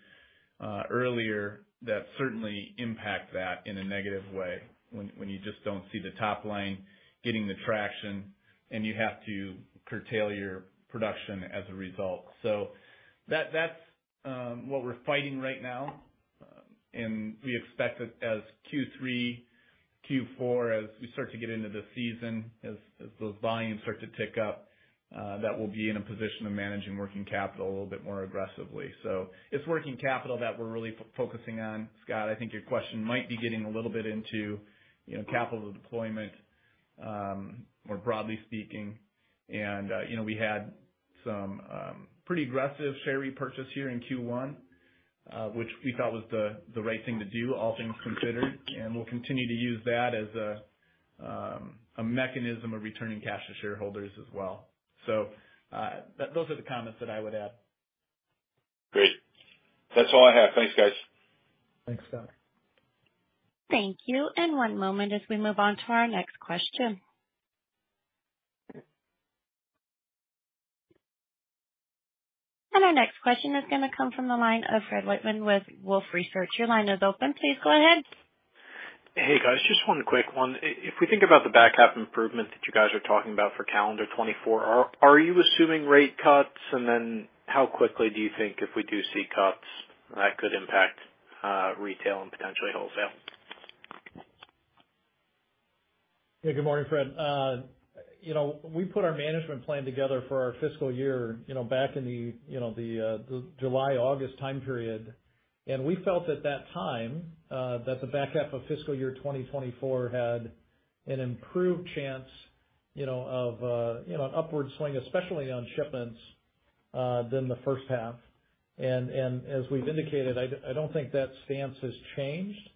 earlier, that certainly impact that in a negative way, when you just don't see the top line getting the traction, and you have to curtail your production as a result. So that's what we're fighting right now. We expect that as Q3, Q4, as we start to get into the season, as those volumes start to tick up, that we'll be in a position of managing working capital a little bit more aggressively. So it's working capital that we're really focusing on. Scott, I think your question might be getting a little bit into, you know, capital deployment, more broadly speaking. And, you know, we had some pretty aggressive share repurchase here in Q1, which we thought was the right thing to do, all things considered. And we'll continue to use that as a mechanism of returning cash to shareholders as well. So those are the comments that I would add.... Great. That's all I have. Thanks, guys. Thanks, Scott. Thank you, and one moment as we move on to our next question. Our next question is gonna come from the line of Fred Wightman with Wolfe Research. Your line is open. Please go ahead. Hey, guys. Just one quick one. If we think about the back half improvement that you guys are talking about for calendar 2024, are you assuming rate cuts? And then how quickly do you think if we do see cuts, that could impact retail and potentially wholesale? Hey, good morning, Fred. You know, we put our management plan together for our fiscal year, you know, back in the July, August time period. And we felt at that time that the back half of fiscal year 2024 had an improved chance, you know, of an upward swing, especially on shipments, than the first half. And as we've indicated, I don't think that stance has changed.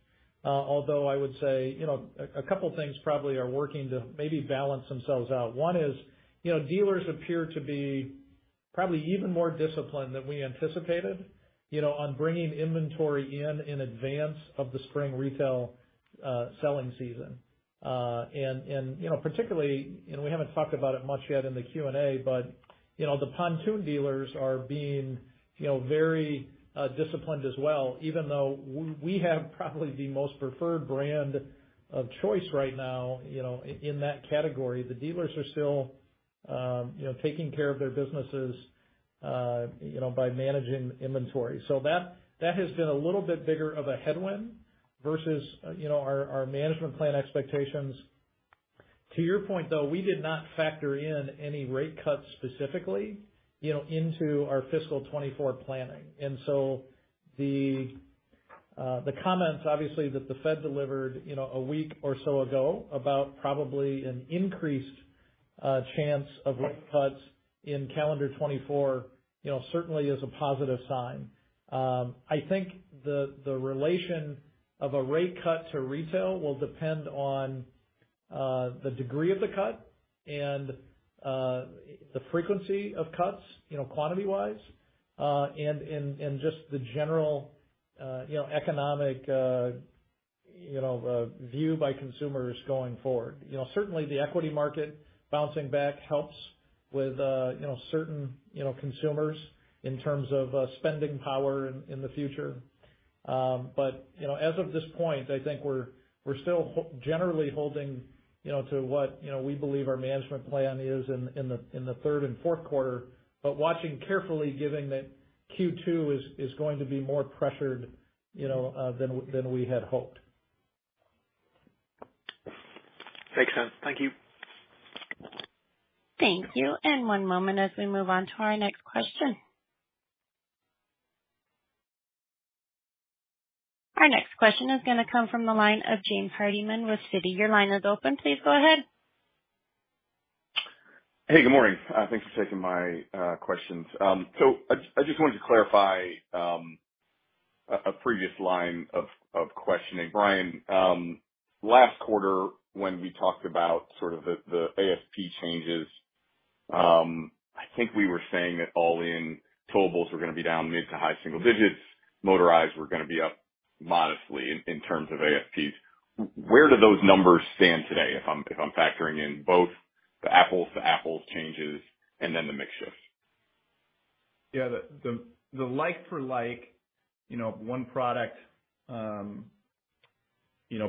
Although I would say, you know, a couple things probably are working to maybe balance themselves out. One is, you know, dealers appear to be probably even more disciplined than we anticipated, you know, on bringing inventory in in advance of the spring retail selling season. You know, particularly, and we haven't talked about it much yet in the Q&A, but, you know, the pontoon dealers are being, you know, very, disciplined as well. Even though we have probably the most preferred brand of choice right now, you know, in that category, the dealers are still, you know, taking care of their businesses, you know, by managing inventory. So that has been a little bit bigger of a headwind versus, you know, our management plan expectations. To your point, though, we did not factor in any rate cuts specifically, you know, into our fiscal 2024 planning. And so the comments, obviously, that the Fed delivered, you know, a week or so ago about probably an increased chance of rate cuts in calendar 2024, you know, certainly is a positive sign. I think the relation of a rate cut to retail will depend on the degree of the cut and the frequency of cuts, you know, quantity-wise, and just the general, you know, economic view by consumers going forward. You know, certainly the equity market bouncing back helps with, you know, certain consumers in terms of spending power in the future. But, you know, as of this point, I think we're still generally holding, you know, to what, you know, we believe our management plan is in the third and fourth quarter, but watching carefully, given that Q2 is going to be more pressured, you know, than we had hoped. Makes sense. Thank you. Thank you. One moment as we move on to our next question. Our next question is gonna come from the line of James Hardiman with Citi. Your line is open. Please go ahead. Hey, good morning. Thanks for taking my questions. So I just wanted to clarify a previous line of questioning. Bryan, last quarter, when we talked about sort of the ASP changes, I think we were saying that all-in towables were gonna be down mid- to high-single digits. Motorized were gonna be up modestly in terms of ASPs. Where do those numbers stand today, if I'm factoring in both the apples-to-apples changes and then the mix shift? Yeah, the like for like, you know, one product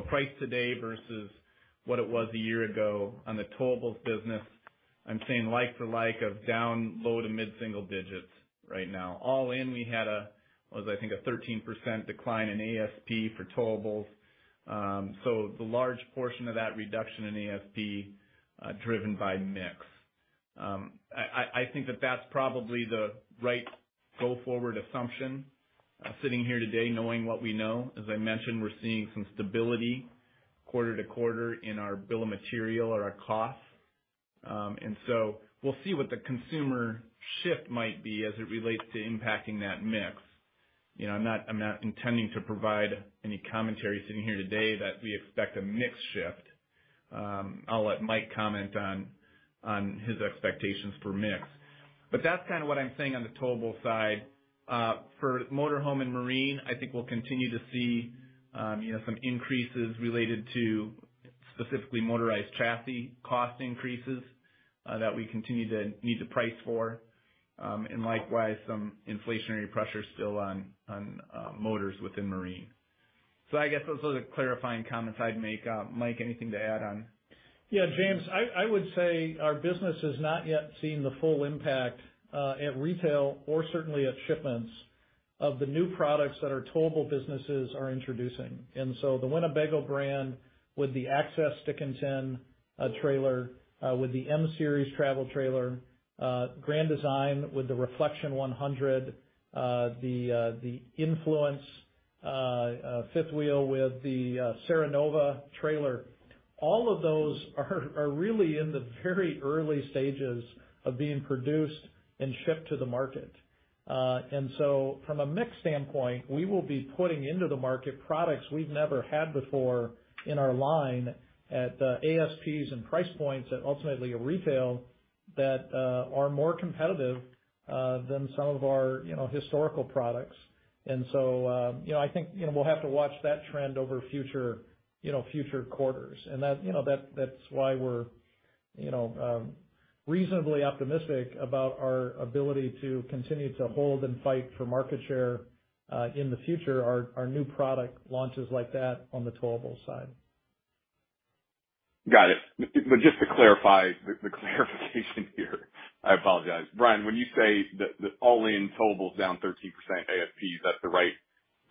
priced today versus what it was a year ago on the towables business, I'm seeing like for like down low- to mid-single digits right now. All in, we had, I think, a 13% decline in ASP for towables. So the large portion of that reduction in ASP driven by mix. I think that's probably the right go-forward assumption sitting here today, knowing what we know. As I mentioned, we're seeing some stability quarter to quarter in our bill of material or our costs. And so we'll see what the consumer shift might be as it relates to impacting that mix. You know, I'm not intending to provide any commentary sitting here today that we expect a mix shift. I'll let Mike comment on his expectations for mix. But that's kind of what I'm seeing on the towable side. For motor home and marine, I think we'll continue to see, you know, some increases related to specifically motorized chassis cost increases that we continue to need to price for. And likewise, some inflationary pressure still on motors within marine. So I guess those are the clarifying comments I'd make. Mike, anything to add on? Yeah, James, I would say our business has not yet seen the full impact at retail or certainly at shipments of the new products that our towable businesses are introducing. And so the Winnebago brand, with the Access stick-and-tin trailer, with the M-Series travel trailer, Grand Design with the Reflection 100, the Influence fifth wheel with the Serenova trailer, all of those are really in the very early stages of being produced and shipped to the market. And so from a mix standpoint, we will be putting into the market products we've never had before in our line at ASPs and price points that ultimately retail, that are more competitive than some of our, you know, historical products. And so, you know, I think, you know, we'll have to watch that trend over future quarters. And that, you know, that's why we're, you know, reasonably optimistic about our ability to continue to hold and fight for market share in the future our new product launches like that on the towables side. Got it. But just to clarify, the clarification here, I apologize. Brian, when you say that all in towables down 13% ASP, that's the right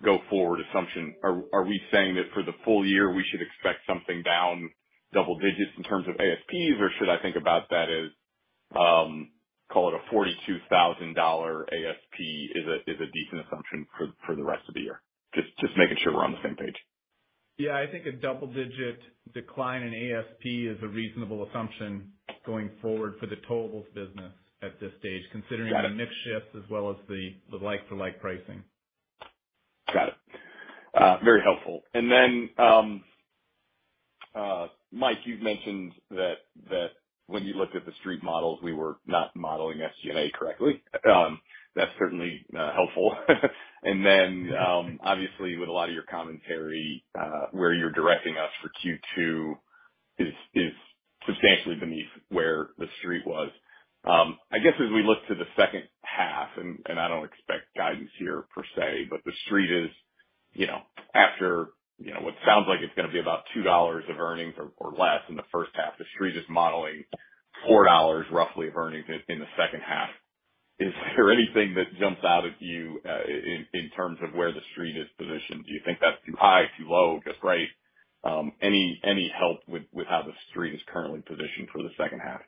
go forward assumption. Are we saying that for the full year, we should expect something down double digits in terms of ASPs? Or should I think about that as call it a $42,000 ASP is a decent assumption for the rest of the year? Just making sure we're on the same page. Yeah, I think a double-digit decline in ASP is a reasonable assumption going forward for the towables business at this stage. Got it. - considering the mix shift as well as the like-for-like pricing. Got it. Very helpful. And then, Mike, you've mentioned that when you looked at the Street models, we were not modeling SG&A correctly. That's certainly helpful. And then, obviously, with a lot of your commentary, where you're directing us for Q2, is substantially beneath where the Street was. I guess as we look to the second half, and I don't expect guidance here per se, but the Street is, you know, after, you know what, sounds like it's going to be about $2 of earnings or less in the first half, the Street is modeling $4 roughly of earnings in the second half. Is there anything that jumps out at you, in terms of where the Street is positioned? Do you think that's too high, too low, just right? Any help with how the Street is currently positioned for the second half?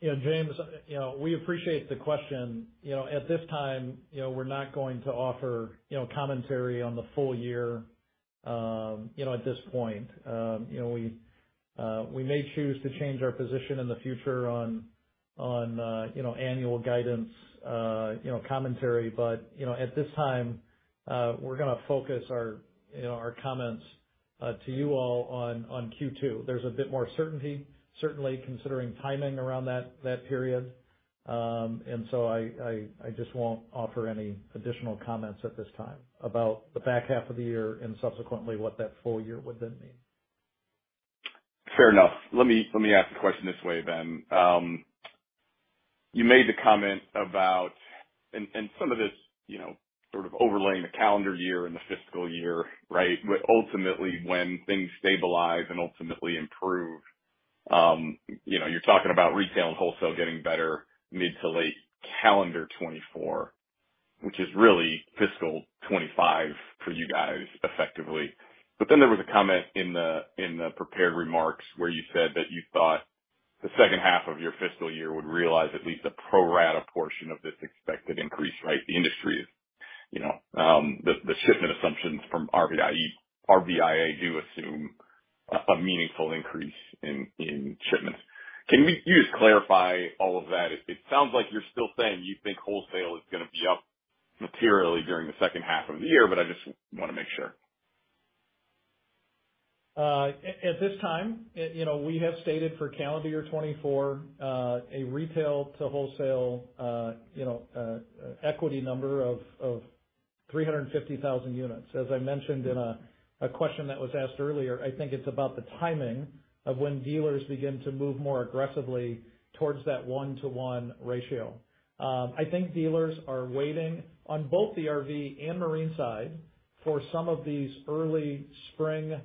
You know, James, you know, we appreciate the question. You know, at this time, you know, we're not going to offer, you know, commentary on the full year, you know, at this point. You know, we may choose to change our position in the future on annual guidance, you know, commentary. But, you know, at this time, we're going to focus our, you know, our comments to you all on Q2. There's a bit more certainty, certainly considering timing around that period. And so I just won't offer any additional comments at this time about the back half of the year and subsequently what that full year would then mean. Fair enough. Let me ask the question this way then. You made the comment about... And some of this, you know, sort of overlaying the calendar year and the fiscal year, right? But ultimately, when things stabilize and ultimately improve, you know, you're talking about retail and wholesale getting better mid- to late calendar 2024, which is really fiscal 2025 for you guys, effectively. But then there was a comment in the prepared remarks where you said that you thought the second half of your fiscal year would realize at least a pro rata portion of this expected increase, right? The industry is, you know, the shipment assumptions from RVIA do assume a meaningful increase in shipments. Can you just clarify all of that? It sounds like you're still saying you think wholesale is going to be up materially during the second half of the year, but I just want to make sure. At this time, you know, we have stated for calendar year 2024, a retail to wholesale, you know, equity number of 350,000 units. As I mentioned in a question that was asked earlier, I think it's about the timing of when dealers begin to move more aggressively towards that one-to-one ratio. I think dealers are waiting on both the RV and marine side for some of these early spring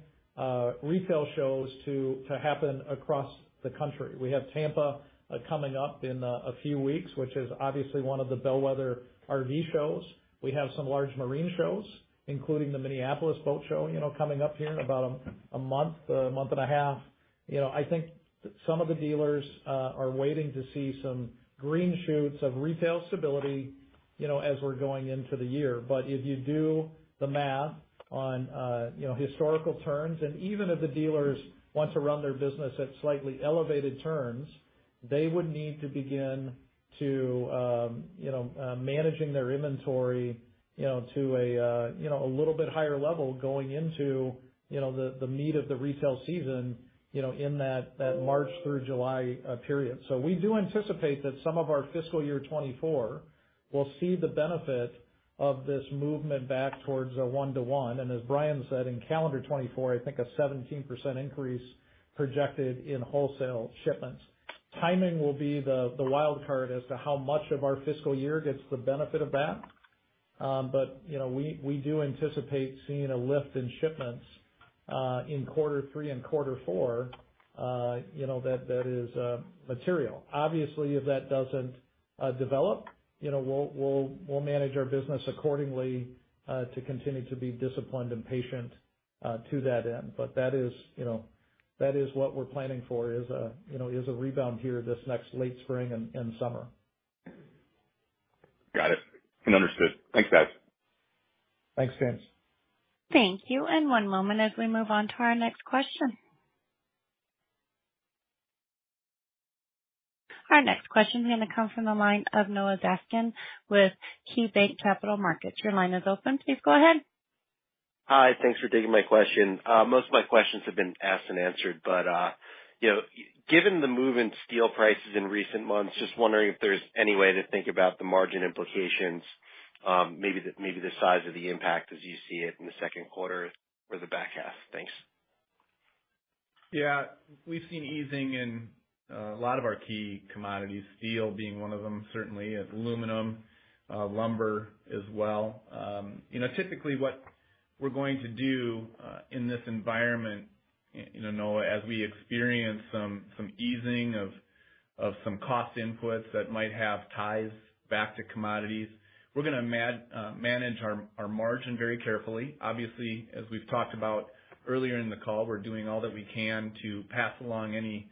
retail shows to happen across the country. We have Tampa coming up in a few weeks, which is obviously one of the bellwether RV shows. We have some large marine shows, including the Minneapolis Boat Show, you know, coming up here in about a month, a month and a half. You know, I think some of the dealers are waiting to see some green shoots of retail stability, you know, as we're going into the year. But if you do the math on, you know, historical turns, and even if the dealers want to run their business at slightly elevated turns, they would need to begin to, you know, managing their inventory, you know, to a, you know, a little bit higher level going into, you know, the, the meat of the retail season, you know, in that, that March through July, period. So we do anticipate that some of our fiscal year 2024 will see the benefit of this movement back towards a one to one. And as Brian said, in calendar 2024, I think a 17% increase projected in wholesale shipments. Timing will be the wild card as to how much of our fiscal year gets the benefit of that. But, you know, we do anticipate seeing a lift in shipments in quarter three and quarter four, you know, that is material. Obviously, if that doesn't develop, you know, we'll manage our business accordingly to continue to be disciplined and patient to that end. But that is, you know, that is what we're planning for, is a, you know, is a rebound here this next late spring and summer. Got it and understood. Thanks, guys. Thanks, James. Thank you, and one moment as we move on to our next question. Our next question is going to come from the line of Noah Zatzkin with KeyBanc Capital Markets. Your line is open. Please go ahead. Hi, thanks for taking my question. Most of my questions have been asked and answered, but, you know, given the move in steel prices in recent months, just wondering if there's any way to think about the margin implications, maybe the size of the impact as you see it in the second quarter or the back half? Thanks. Yeah, we've seen easing in a lot of our key commodities, steel being one of them, certainly, aluminum, lumber as well. You know, typically what we're going to do in this environment, you know, Noah, as we experience some easing of some cost inputs that might have ties back to commodities, we're gonna manage our margin very carefully. Obviously, as we've talked about earlier in the call, we're doing all that we can to pass along any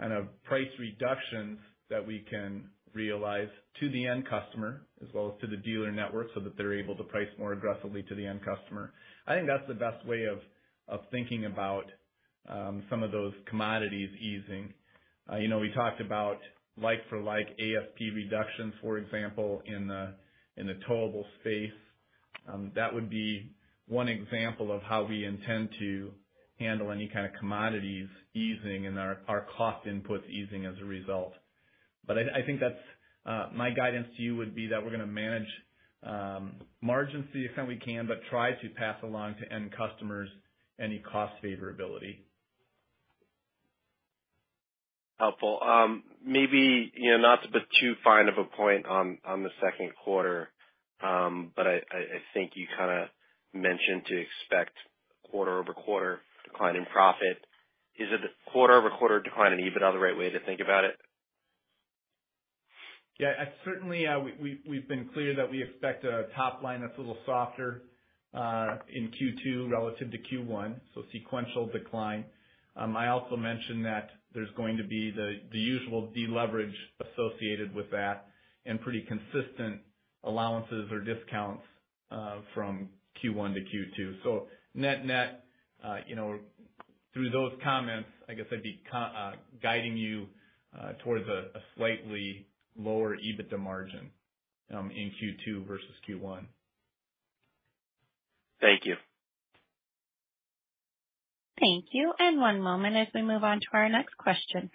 kind of price reductions that we can realize to the end customer, as well as to the dealer network, so that they're able to price more aggressively to the end customer. I think that's the best way of thinking about some of those commodities easing. You know, we talked about like-for-like AFP reductions, for example, in the towable space. That would be one example of how we intend to handle any kind of commodities easing and our cost inputs easing as a result. But I think that's my guidance to you would be that we're gonna manage margins to the extent we can, but try to pass along to end customers any cost favorability. Helpful. Maybe, you know, not to put too fine of a point on the second quarter, but I think you kind of mentioned to expect quarter-over-quarter decline in profit. Is it a quarter-over-quarter decline or even another right way to think about it? Yeah, certainly, we've been clear that we expect a top line that's a little softer in Q2 relative to Q1, so sequential decline. I also mentioned that there's going to be the usual deleverage associated with that and pretty consistent allowances or discounts from Q1 to Q2. So net-net, you know, through those comments, I guess I'd be guiding you towards a slightly lower EBITDA margin in Q2 versus Q1. Thank you. Thank you. And one moment as we move on to our next question.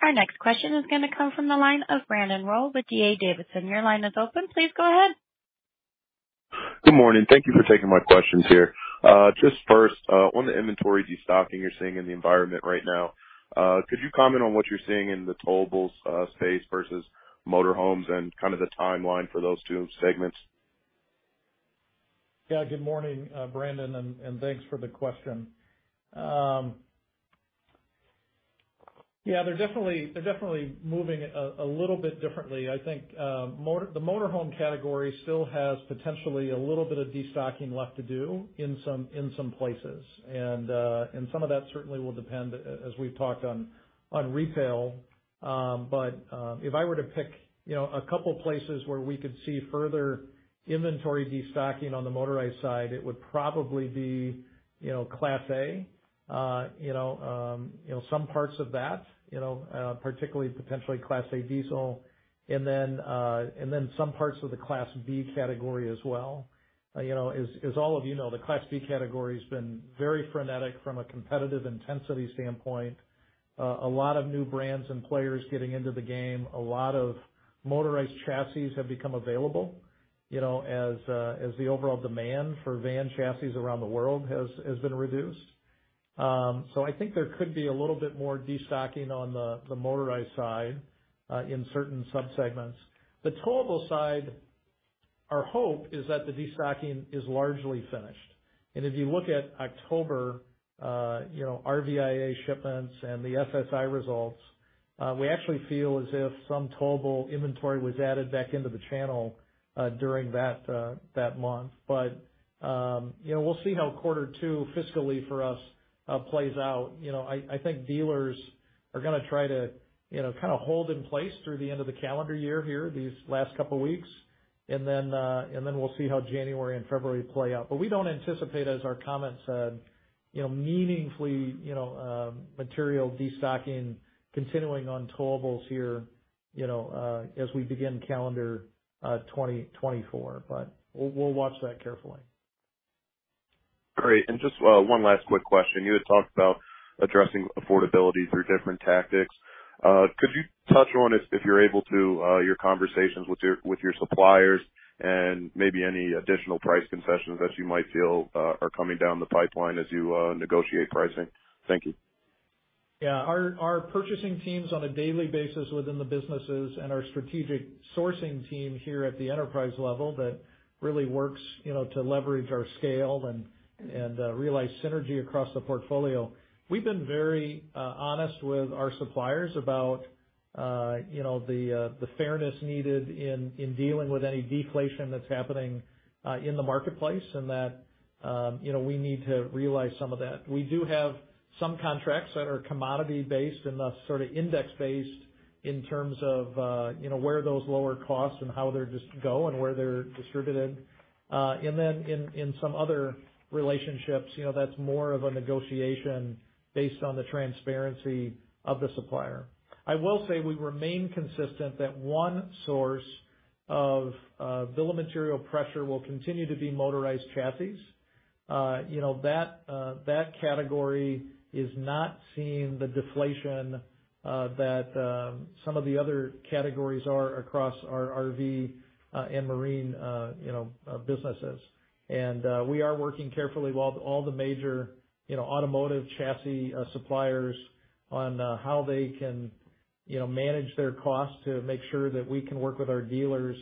Our next question is going to come from the line of Brandon Rolle with D.A. Davidson. Your line is open. Please go ahead. Good morning. Thank you for taking my questions here. Just first, on the inventory destocking you're seeing in the environment right now, could you comment on what you're seeing in the towables space versus motor homes and kind of the timeline for those two segments? Yeah, good morning, Brandon, and thanks for the question. Yeah, they're definitely, they're definitely moving a little bit differently. I think, the motor home category still has potentially a little bit of destocking left to do in some places, and some of that certainly will depend, as we've talked on, on retail. But, if I were to pick, you know, a couple places where we could see further inventory destocking on the motorized side, it would probably be, you know, Class A, you know, some parts of that, you know, particularly potentially Class A diesel and then, and then some parts of the Class B category as well. You know, as all of you know, the Class B category's been very frenetic from a competitive intensity standpoint. A lot of new brands and players getting into the game. A lot of motorized chassis have become available, you know, as as the overall demand for van chassis around the world has has been reduced. So I think there could be a little bit more destocking on the the motorized side in certain subsegments. The towable side, our hope is that the destocking is largely finished, and if you look at October you know, RVIA shipments and the SSI results we actually feel as if some towable inventory was added back into the channel during that that month. But you know, we'll see how quarter two fiscally for us plays out. You know, I think dealers are gonna try to, you know, kind of hold in place through the end of the calendar year here, these last couple weeks, and then, and then we'll see how January and February play out. But we don't anticipate, as our comment said, you know, meaningfully, you know, material destocking continuing on towables here, you know, as we begin calendar 2024. But we'll, we'll watch that carefully. Great. Just, one last quick question. You had talked about addressing affordability through different tactics. Could you touch on, if you're able to, your conversations with your suppliers and maybe any additional price concessions that you might feel are coming down the pipeline as you negotiate pricing? Thank you. Yeah. Our purchasing teams on a daily basis within the businesses and our strategic sourcing team here at the enterprise level, that really works, you know, to leverage our scale and realize synergy across the portfolio. We've been very honest with our suppliers about, you know, the fairness needed in dealing with any deflation that's happening in the marketplace, and that we need to realize some of that. We do have some contracts that are commodity based and thus sort of index based in terms of where those lower costs and how they're just go and where they're distributed. And then in some other relationships, you know, that's more of a negotiation based on the transparency of the supplier. I will say we remain consistent that one source of bill of material pressure will continue to be motorized chassis. You know, that category is not seeing the deflation that some of the other categories are across our RV and marine businesses. We are working carefully with all the major automotive chassis suppliers on how they can manage their costs to make sure that we can work with our dealers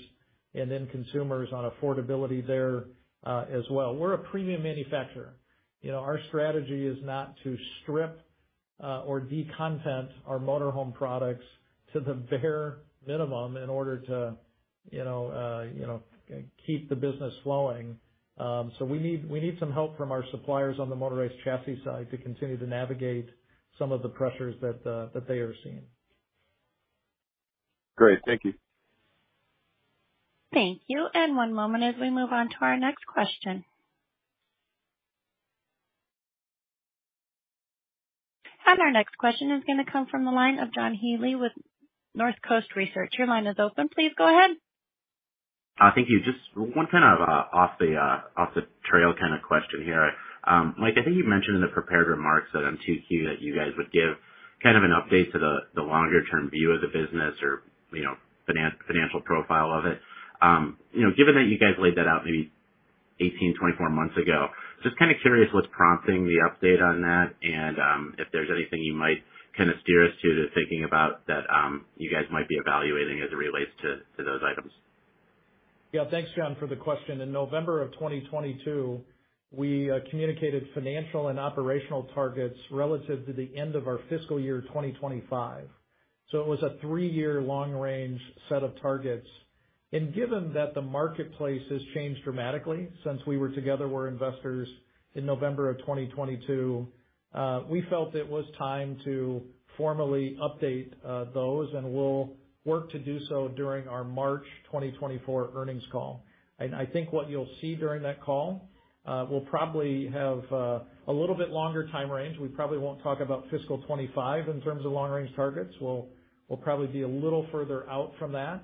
and end consumers on affordability there, as well. We're a premium manufacturer. You know, our strategy is not to strip or decontent our motorhome products to the bare minimum in order to keep the business flowing. So we need, we need some help from our suppliers on the motorized chassis side to continue to navigate some of the pressures that that they are seeing. Great. Thank you. Thank you. And one moment as we move on to our next question. And our next question is going to come from the line of John Healy with North Coast Research. Your line is open. Please go ahead. Thank you. Just one kind of off the trail kind of question here. Mike, I think you mentioned in the prepared remarks at 2Q that you guys would give kind of an update to the longer-term view of the business or, you know, financial profile of it. You know, given that you guys laid that out maybe 18-24 months ago, just kind of curious what's prompting the update on that, and if there's anything you might kind of steer us to thinking about that, you guys might be evaluating as it relates to those items? Yeah, thanks, John, for the question. In November of 2022, we communicated financial and operational targets relative to the end of our fiscal year, 2025. So it was a three-year long range set of targets. And given that the marketplace has changed dramatically since we were together, we're investors in November of 2022, we felt it was time to formally update those, and we'll work to do so during our March 2024 earnings call. And I think what you'll see during that call, we'll probably have a little bit longer time range. We probably won't talk about fiscal 2025 in terms of long-range targets. We'll, we'll probably be a little further out from that.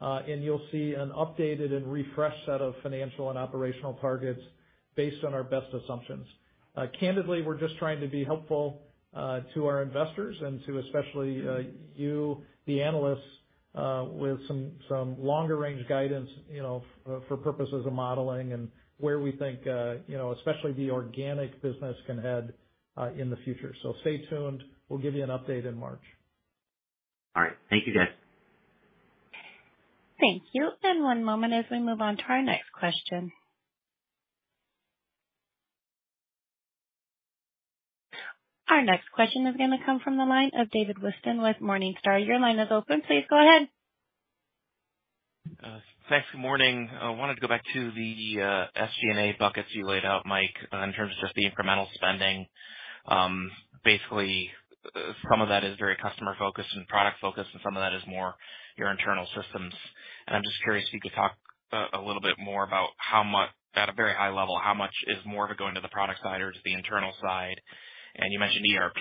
And you'll see an updated and refreshed set of financial and operational targets based on our best assumptions. Candidly, we're just trying to be helpful to our investors and to especially you, the analysts, with some longer range guidance, you know, for purposes of modeling and where we think, you know, especially the organic business can head in the future. So stay tuned. We'll give you an update in March. All right. Thank you, guys. Thank you. One moment as we move on to our next question. Our next question is going to come from the line of David Whiston with Morningstar. Your line is open. Please go ahead. Thanks. Good morning. I wanted to go back to the SG&A buckets you laid out, Mike, in terms of just the incremental spending. Basically, some of that is very customer-focused and product-focused, and some of that is more your internal systems. And I'm just curious if you could talk a little bit more about how much, at a very high level, how much is more of it going to the product side or just the internal side? And you mentioned ERP.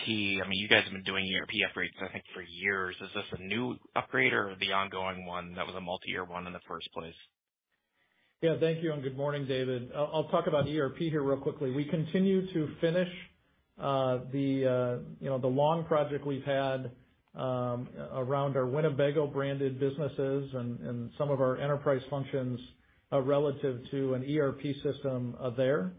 I mean, you guys have been doing ERP upgrades, I think, for years. Is this a new upgrade or the ongoing one that was a multi-year one in the first place? Yeah, thank you, and good morning, David. I'll, I'll talk about ERP here real quickly. We continue to finish you know the long project we've had around our Winnebago-branded businesses and, and some of our enterprise functions relative to an ERP system there.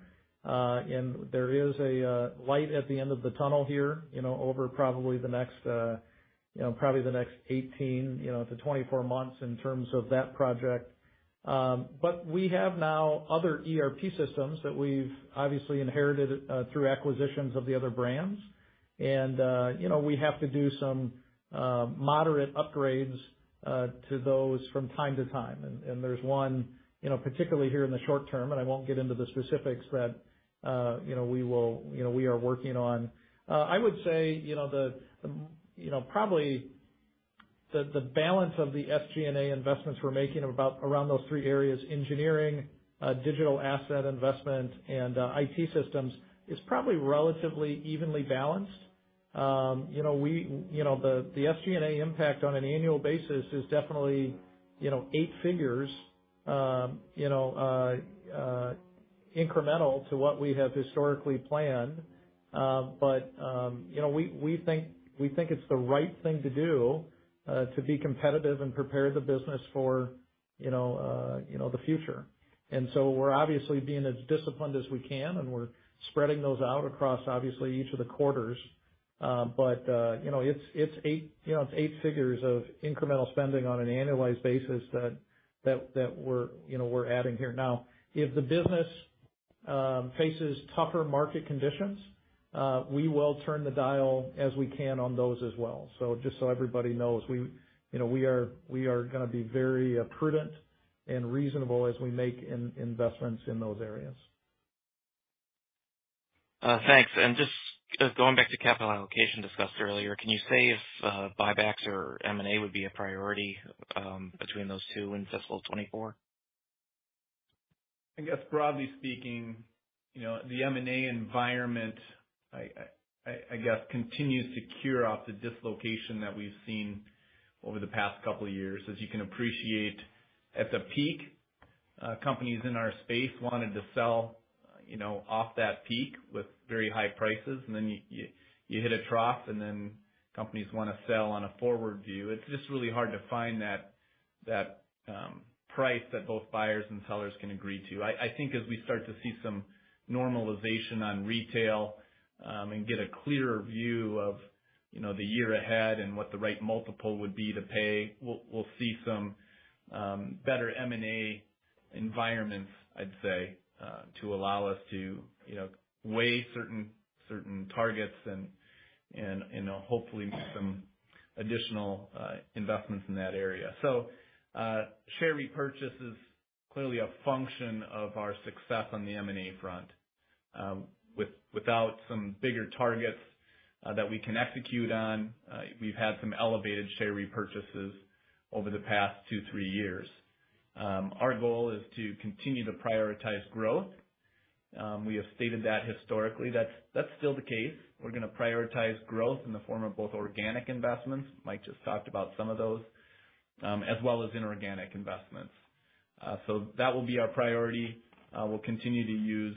And there is a light at the end of the tunnel here, you know, over probably the next, you know, probably the next 18, you know, to 24 months in terms of that project. But we have now other ERP systems that we've obviously inherited through acquisitions of the other brands. And, you know, we have to do some moderate upgrades to those from time to time. And there's one, you know, particularly here in the short term, and I won't get into the specifics, but, you know, we will, you know, we are working on. I would say, you know, probably the balance of the SG&A investments we're making about around those three areas, engineering, digital asset investment, and IT systems, is probably relatively evenly balanced. You know, the SG&A impact on an annual basis is definitely, you know, eight figures, incremental to what we have historically planned. But, you know, we think it's the right thing to do, to be competitive and prepare the business for, you know, the future. So we're obviously being as disciplined as we can, and we're spreading those out across, obviously, each of the quarters. But you know, it's eight figures of incremental spending on an annualized basis that we're you know, we're adding here. Now, if the business faces tougher market conditions, we will turn the dial as we can on those as well. So just so everybody knows, you know, we are gonna be very prudent and reasonable as we make investments in those areas. Thanks. And just going back to capital allocation discussed earlier, can you say if buybacks or M&A would be a priority between those two in fiscal 2024? I guess, broadly speaking, you know, the M&A environment-... I guess continues to cure out the dislocation that we've seen over the past couple of years. As you can appreciate, at the peak, companies in our space wanted to sell, you know, off that peak with very high prices, and then you hit a trough, and then companies wanna sell on a forward view. It's just really hard to find that price that both buyers and sellers can agree to. I think as we start to see some normalization on retail, and get a clearer view of, you know, the year ahead and what the right multiple would be to pay, we'll see some better M&A environments, I'd say, to allow us to, you know, weigh certain targets and, you know, hopefully make some additional investments in that area. So, share repurchase is clearly a function of our success on the M&A front. Without some bigger targets that we can execute on, we've had some elevated share repurchases over the past 2-3 years. Our goal is to continue to prioritize growth. We have stated that historically. That's still the case. We're gonna prioritize growth in the form of both organic investments, Mike just talked about some of those, as well as inorganic investments. So that will be our priority. We'll continue to use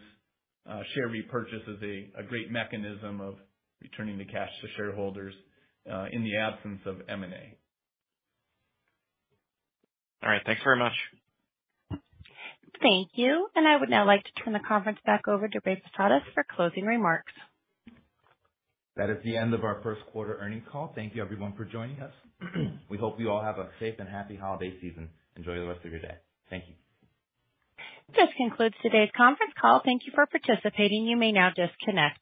share repurchase as a great mechanism of returning the cash to shareholders in the absence of M&A. All right. Thanks very much. Thank you, and I would now like to turn the conference back over toRay Posadas for closing remarks. That is the end of our first quarter earnings call. Thank you, everyone, for joining us. We hope you all have a safe and happy holiday season. Enjoy the rest of your day. Thank you. This concludes today's conference call. Thank you for participating. You may now disconnect.